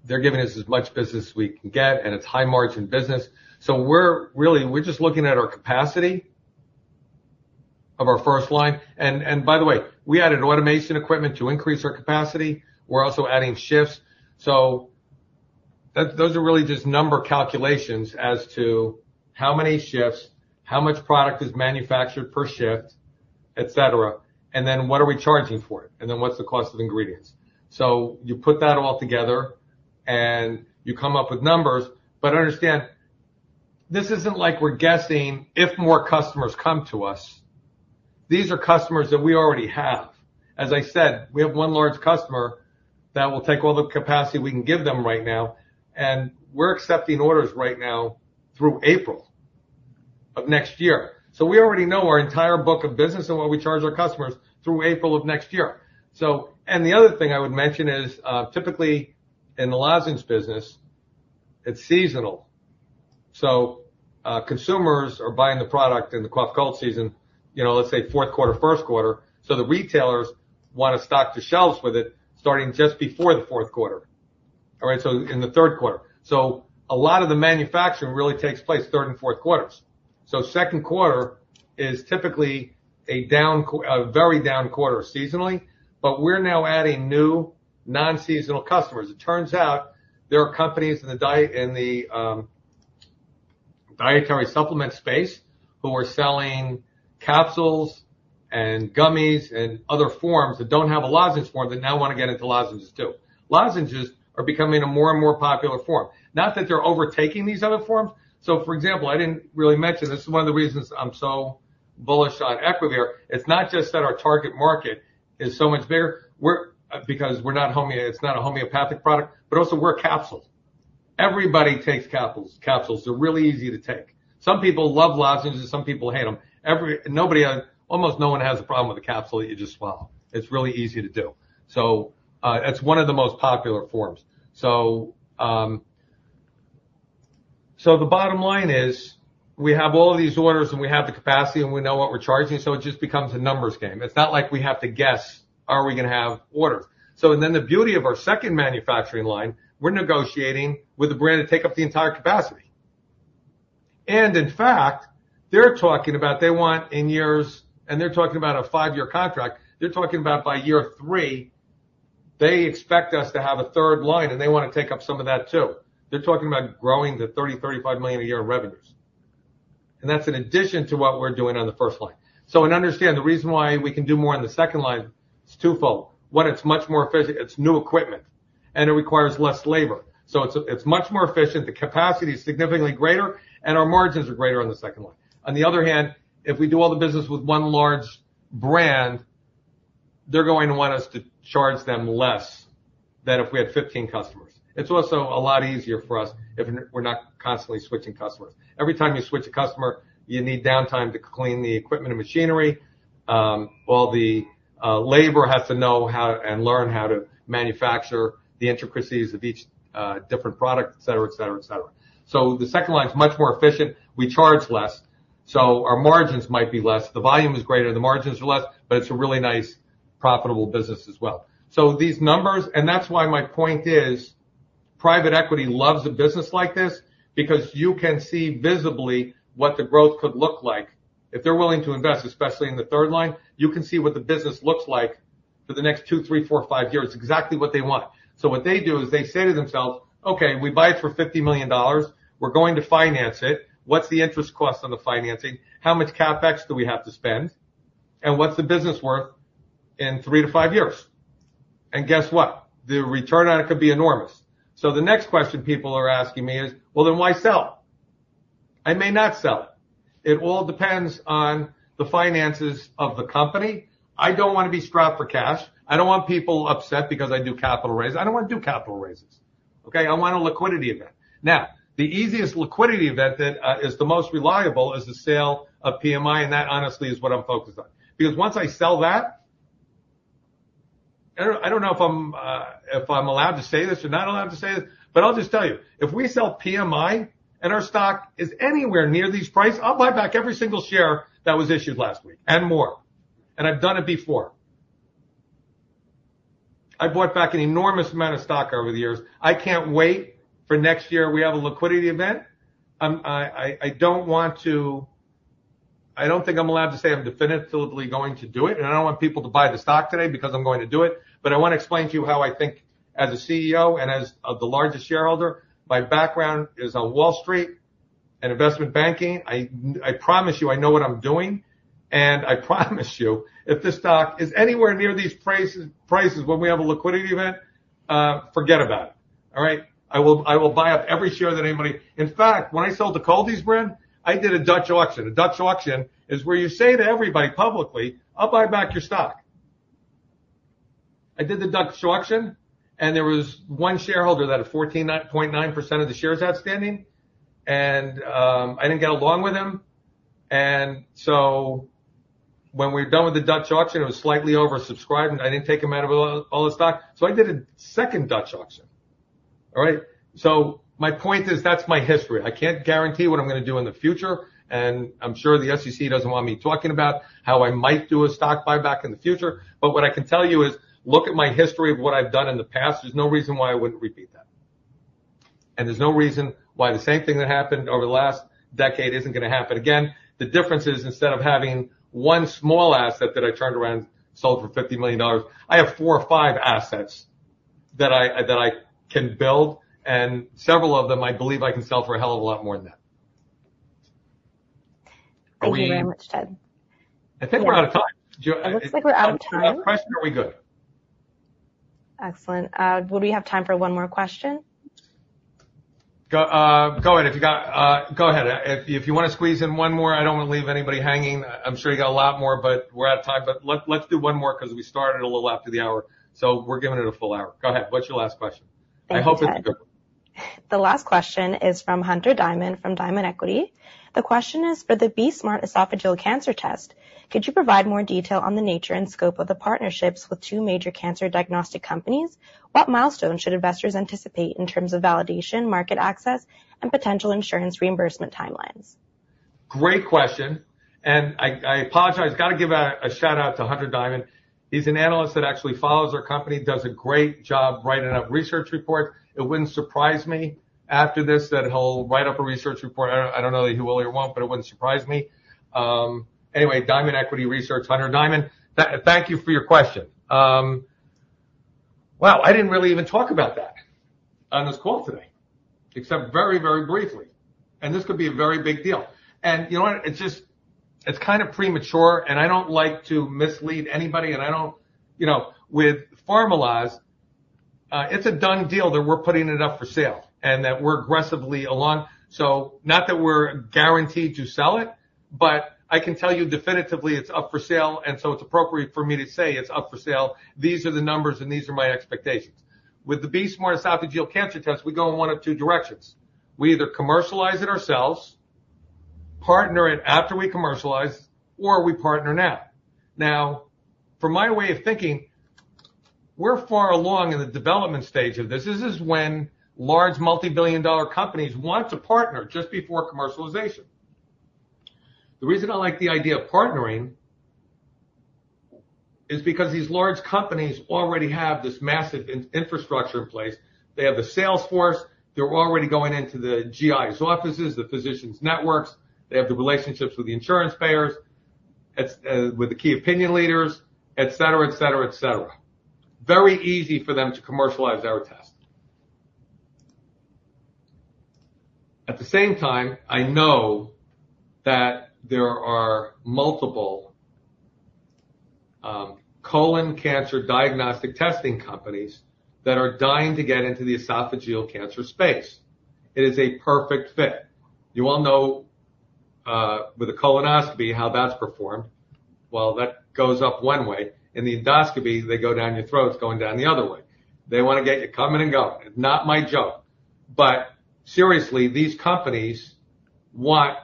they're giving us as much business as we can get. And it's high margin business. So we're really, we're just looking at our capacity of our first line. And by the way, we added automation equipment to increase our capacity. We're also adding shifts. So those are really just number calculations as to how many shifts, how much product is manufactured per shift, et cetera. And then what are we charging for it? And then what's the cost of ingredients? So you put that all together and you come up with numbers. But understand, this isn't like we're guessing if more customers come to us. These are customers that we already have. As I said, we have one large customer that will take all the capacity we can give them right now. And we're accepting orders right now through April of next year. So we already know our entire book of business and what we charge our customers through April of next year. So, and the other thing I would mention is typically in the lozenge business, it's seasonal. So consumers are buying the product in the cough and cold season, you know, let's say fourth quarter, first quarter. So the retailers want to stock the shelves with it starting just before the fourth quarter. All right. So in the third quarter. So a lot of the manufacturing really takes place third and fourth quarters. So second quarter is typically a very down quarter seasonally. But we're now adding new non-seasonal customers. It turns out there are companies in the dietary supplement space who are selling capsules and gummies and other forms that don't have a lozenge form that now want to get into lozenges too. Lozenges are becoming a more and more popular form. Not that they're overtaking these other forms. So for example, I didn't really mention, this is one of the reasons I'm so bullish on Equivir. It's not just that our target market is so much bigger because we're not a homeopathic product, but also we're capsules. Everybody takes capsules. They're really easy to take. Some people love lozenges. Some people hate them. Nobody, almost no one has a problem with a capsule that you just swallow. It's really easy to do. So it's one of the most popular forms. So the bottom line is we have all these orders and we have the capacity and we know what we're charging. So it just becomes a numbers game. It's not like we have to guess, are we going to have orders? So then the beauty of our second manufacturing line, we're negotiating with a brand to take up the entire capacity. And in fact, they're talking about they want in years, and they're talking about a five-year contract. They're talking about by year three, they expect us to have a third line and they want to take up some of that too. They're talking about growing to $30 million-$35 million a year in revenues. And that's in addition to what we're doing on the first line. So I understand the reason why we can do more on the second line. It's twofold. One, it's much more efficient. It's new equipment and it requires less labor. So it's much more efficient. The capacity is significantly greater and our margins are greater on the second line. On the other hand, if we do all the business with one large brand, they're going to want us to charge them less than if we had 15 customers. It's also a lot easier for us if we're not constantly switching customers. Every time you switch a customer, you need downtime to clean the equipment and machinery. All the labor has to know how and learn how to manufacture the intricacies of each different product, et cetera, et cetera, et cetera. So the second line is much more efficient. We charge less. So our margins might be less. The volume is greater. The margins are less, but it's a really nice profitable business as well. So these numbers, and that's why my point is private equity loves a business like this because you can see visibly what the growth could look like if they're willing to invest, especially in the third line. You can see what the business looks like for the next two, three, four, five years, exactly what they want. So what they do is they say to themselves, okay, we buy it for $50 million. We're going to finance it. What's the interest cost on the financing? How much CapEx do we have to spend? And what's the business worth in three to five years? And guess what? The return on it could be enormous. So the next question people are asking me is, well, then why sell? I may not sell. It all depends on the finances of the company. I don't want to be strapped for cash. I don't want people upset because I do capital raise. I don't want to do capital raises. Okay. I want a liquidity event. Now, the easiest liquidity event that is the most reliable is the sale of PMI, and that honestly is what I'm focused on. Because once I sell that, I don't know if I'm allowed to say this or not allowed to say this, but I'll just tell you, if we sell PMI and our stock is anywhere near these prices, I'll buy back every single share that was issued last week and more, and I've done it before. I bought back an enormous amount of stock over the years. I can't wait for next year we have a liquidity event. I don't want to, I don't think I'm allowed to say I'm definitively going to do it. And I don't want people to buy the stock today because I'm going to do it. But I want to explain to you how I think as a CEO and as the largest shareholder. My background is on Wall Street and investment banking. I promise you I know what I'm doing. And I promise you if this stock is anywhere near these prices when we have a liquidity event, forget about it. All right. I will buy up every share that anybody, in fact, when I sold the Cold-EEZE brand, I did a Dutch auction. A Dutch auction is where you say to everybody publicly, I'll buy back your stock. I did the Dutch auction and there was one shareholder that had 14.9% of the shares outstanding. And I didn't get along with him. And so when we were done with the Dutch auction, it was slightly oversubscribed and I didn't take him out of all the stock. So I did a second Dutch auction. All right. So my point is that's my history. I can't guarantee what I'm going to do in the future. And I'm sure the SEC doesn't want me talking about how I might do a stock buyback in the future. But what I can tell you is look at my history of what I've done in the past. There's no reason why I wouldn't repeat that. And there's no reason why the same thing that happened over the last decade isn't going to happen again. The difference is instead of having one small asset that I turned around, sold for $50 million, I have four or five assets that I can build. Several of them I believe I can sell for a hell of a lot more than that. Thank you very much, Ted. I think we're out of time. It looks like we're out of time. Question, are we good? Excellent. Would we have time for one more question? Go ahead. If you want to squeeze in one more, I don't want to leave anybody hanging. I'm sure you got a lot more, but we're out of time. But let's do one more because we started a little after the hour. So we're giving it a full hour. Go ahead. What's your last question? Thank you. The last question is from Hunter Diamond from Diamond Equity Research. The question is for the BE-Smart esophageal cancer test. Could you provide more detail on the nature and scope of the partnerships with two major cancer diagnostic companies? What milestones should investors anticipate in terms of validation, market access, and potential insurance reimbursement timelines? Great question, and I apologize. I've got to give a shout out to Hunter Diamond. He's an analyst that actually follows our company, does a great job writing up research reports. It wouldn't surprise me after this that he'll write up a research report. I don't know that he will or won't, but it wouldn't surprise me. Anyway, Diamond Equity Research, Hunter Diamond. Thank you for your question. Wow, I didn't really even talk about that on this call today, except very, very briefly, and this could be a very big deal, and you know what? It's just, it's kind of premature, and I don't like to mislead anybody, and I don't want to, you know, formalize it, it's a done deal that we're putting it up for sale and that we're aggressively along. So not that we're guaranteed to sell it, but I can tell you definitively it's up for sale. It's appropriate for me to say it's up for sale. These are the numbers and these are my expectations. With the BE-Smart esophageal cancer test, we go in one of two directions. We either commercialize it ourselves, partner it after we commercialize, or we partner now. Now, from my way of thinking, we're far along in the development stage of this. This is when large multi-billion dollar companies want to partner just before commercialization. The reason I like the idea of partnering is because these large companies already have this massive infrastructure in place. They have the sales force. They're already going into the GIs' offices, the physicians' networks. They have the relationships with the insurance payers, with the key opinion leaders, et cetera, et cetera, et cetera. Very easy for them to commercialize our test. At the same time, I know that there are multiple colon cancer diagnostic testing companies that are dying to get into the esophageal cancer space. It is a perfect fit. You all know with a colonoscopy how that's performed. Well, that goes up one way. In the endoscopy, they go down your throat going down the other way. They want to get you coming and going. It's not my joke. But seriously, these companies want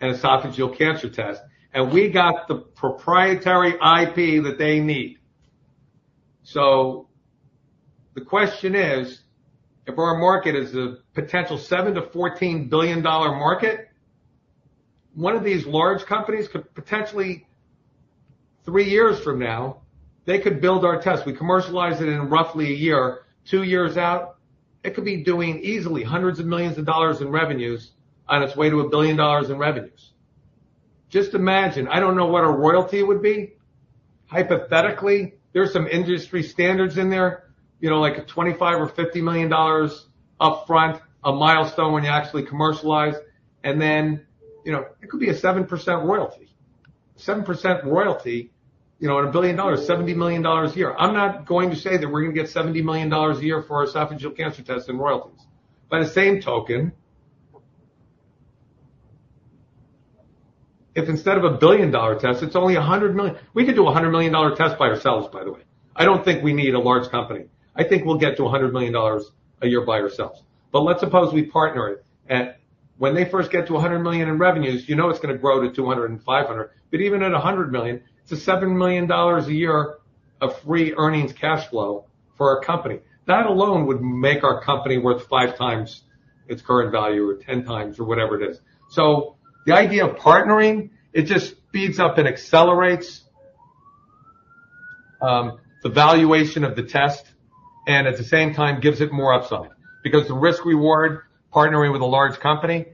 an esophageal cancer test. And we got the proprietary IP that they need. So the question is, if our market is a potential $7 billion-$14 billion market, one of these large companies could potentially three years from now, they could build our test. We commercialize it in roughly a year, two years out. It could be doing easily hundreds of millions of dollars in revenues on its way to a billion dollars in revenues. Just imagine, I don't know what our royalty would be. Hypothetically, there's some industry standards in there, you know, like a $25 or $50 million upfront, a milestone when you actually commercialize, and then, you know, it could be a 7% royalty. 7% royalty, you know, on a billion dollars, $70 million a year. I'm not going to say that we're going to get $70 million a year for our esophageal cancer test and royalties. By the same token, if instead of a billion dollar test, it's only a hundred million, we could do a hundred million dollar test by ourselves, by the way. I don't think we need a large company. I think we'll get to a hundred million dollars a year by ourselves, but let's suppose we partner it. When they first get to 100 million in revenues, you know it's going to grow to 200 and 500. But even at 100 million, it's a $7 million a year of free earnings cash flow for our company. That alone would make our company worth five times its current value or 10 times or whatever it is. So the idea of partnering, it just speeds up and accelerates the valuation of the test. And at the same time, gives it more upside because the risk-reward partnering with a large company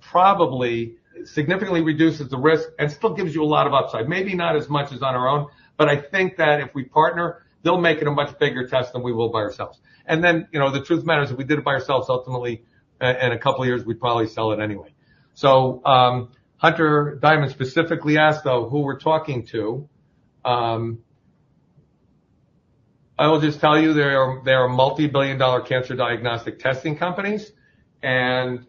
probably significantly reduces the risk and still gives you a lot of upside. Maybe not as much as on our own. But I think that if we partner, they'll make it a much bigger test than we will by ourselves. And then, you know, the truth matters. If we did it by ourselves, ultimately in a couple of years, we'd probably sell it anyway. So Hunter Diamond specifically asked though who we're talking to. I'll just tell you there are multi-billion dollar cancer diagnostic testing companies. And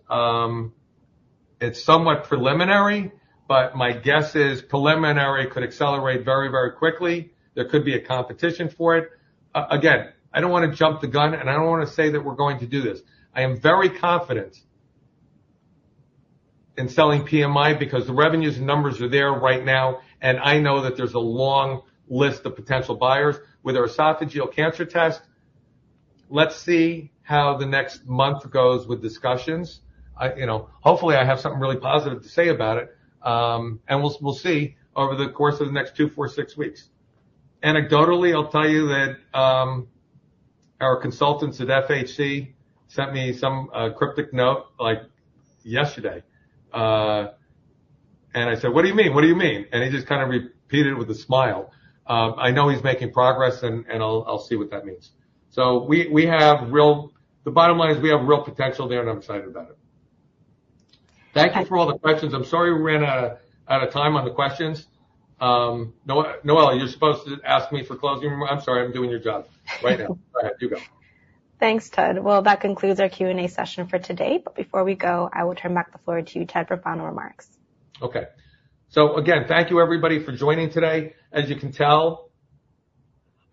it's somewhat preliminary, but my guess is preliminary could accelerate very, very quickly. There could be a competition for it. Again, I don't want to jump the gun and I don't want to say that we're going to do this. I am very confident in selling PMI because the revenues and numbers are there right now. And I know that there's a long list of potential buyers with our esophageal cancer test. Let's see how the next month goes with discussions. You know, hopefully I have something really positive to say about it. And we'll see over the course of the next two, four, six weeks. Anecdotally, I'll tell you that our consultants at FHC sent me some cryptic note like yesterday, and I said, what do you mean? What do you mean? and he just kind of repeated it with a smile. I know he's making progress and I'll see what that means. So we have real, the bottom line is we have real potential there and I'm excited about it. Thank you for all the questions. I'm sorry we ran out of time on the questions. Noella, you're supposed to ask me for closing. I'm sorry. I'm doing your job right now. Go ahead. You go. Thanks, Ted. Well, that concludes our Q&A session for today. But before we go, I will turn back the floor to Ted for final remarks. Okay. So again, thank you everybody for joining today. As you can tell,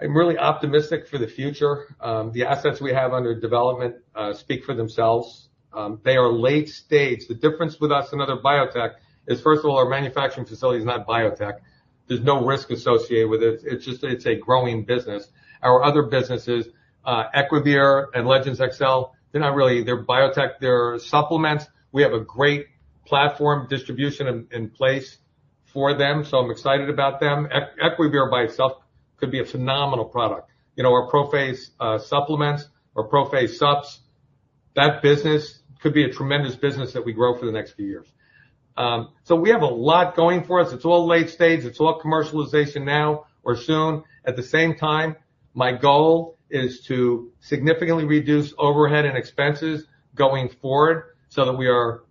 I'm really optimistic for the future. The assets we have under development speak for themselves. They are late stage. The difference with us and other biotech is, first of all, our manufacturing facility is not biotech. There's no risk associated with it. It's just, it's a growing business. Our other businesses, Equivir and Legendz XL, they're not really, they're biotech, they're supplements. We have a great platform distribution in place for them. So I'm excited about them. Equivir by itself could be a phenomenal product. You know, our ProPhase Supplements or ProPhase Supps, that business could be a tremendous business that we grow for the next few years. So we have a lot going for us. It's all late stage. It's all commercialization now or soon. At the same time, my goal is to significantly reduce overhead and expenses going forward so that we are,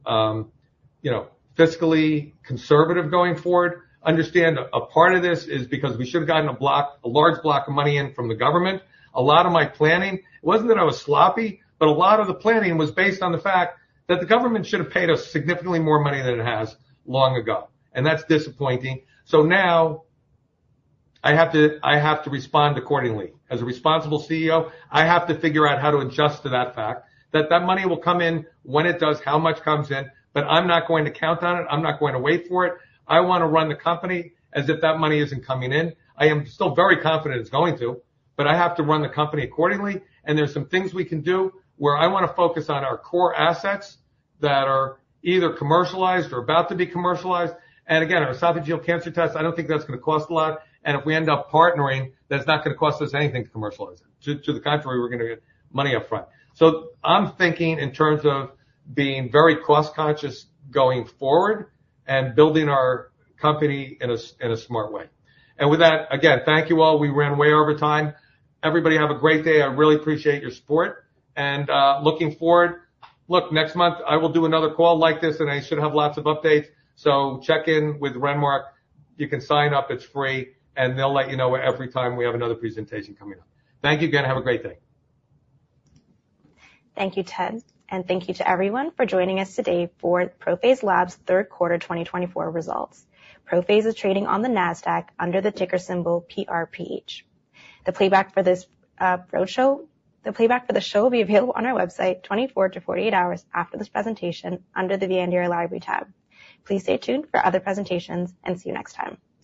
you know, fiscally conservative going forward. Understand a part of this is because we should have gotten a block, a large block of money in from the government. A lot of my planning, it wasn't that I was sloppy, but a lot of the planning was based on the fact that the government should have paid us significantly more money than it has long ago. And that's disappointing. So now I have to respond accordingly. As a responsible CEO, I have to figure out how to adjust to that fact. That money will come in when it does, how much comes in, but I'm not going to count on it. I'm not going to wait for it. I want to run the company as if that money isn't coming in. I am still very confident it's going to, but I have to run the company accordingly. There's some things we can do where I want to focus on our core assets that are either commercialized or about to be commercialized. Again, our esophageal cancer test, I don't think that's going to cost a lot. If we end up partnering, that's not going to cost us anything to commercialize it to the country. We're going to get money upfront. I'm thinking in terms of being very cost conscious going forward and building our company in a smart way. With that, again, thank you all. We ran way over time. Everybody have a great day. I really appreciate your support. Looking forward, look, next month I will do another call like this and I should have lots of updates. Check in with Renmark. You can sign up. It's free, and they'll let you know every time we have another presentation coming up. Thank you again. Have a great day. Thank you, Ted. Thank you to everyone for joining us today for ProPhase Labs third quarter 2024 results. ProPhase is trading on the NASDAQ under the ticker symbol PRPH. The playback for this roadshow, the playback for the show will be available on our website 24 to 48 hours after this presentation under the investor library tab. Please stay tuned for other presentations and see you next time.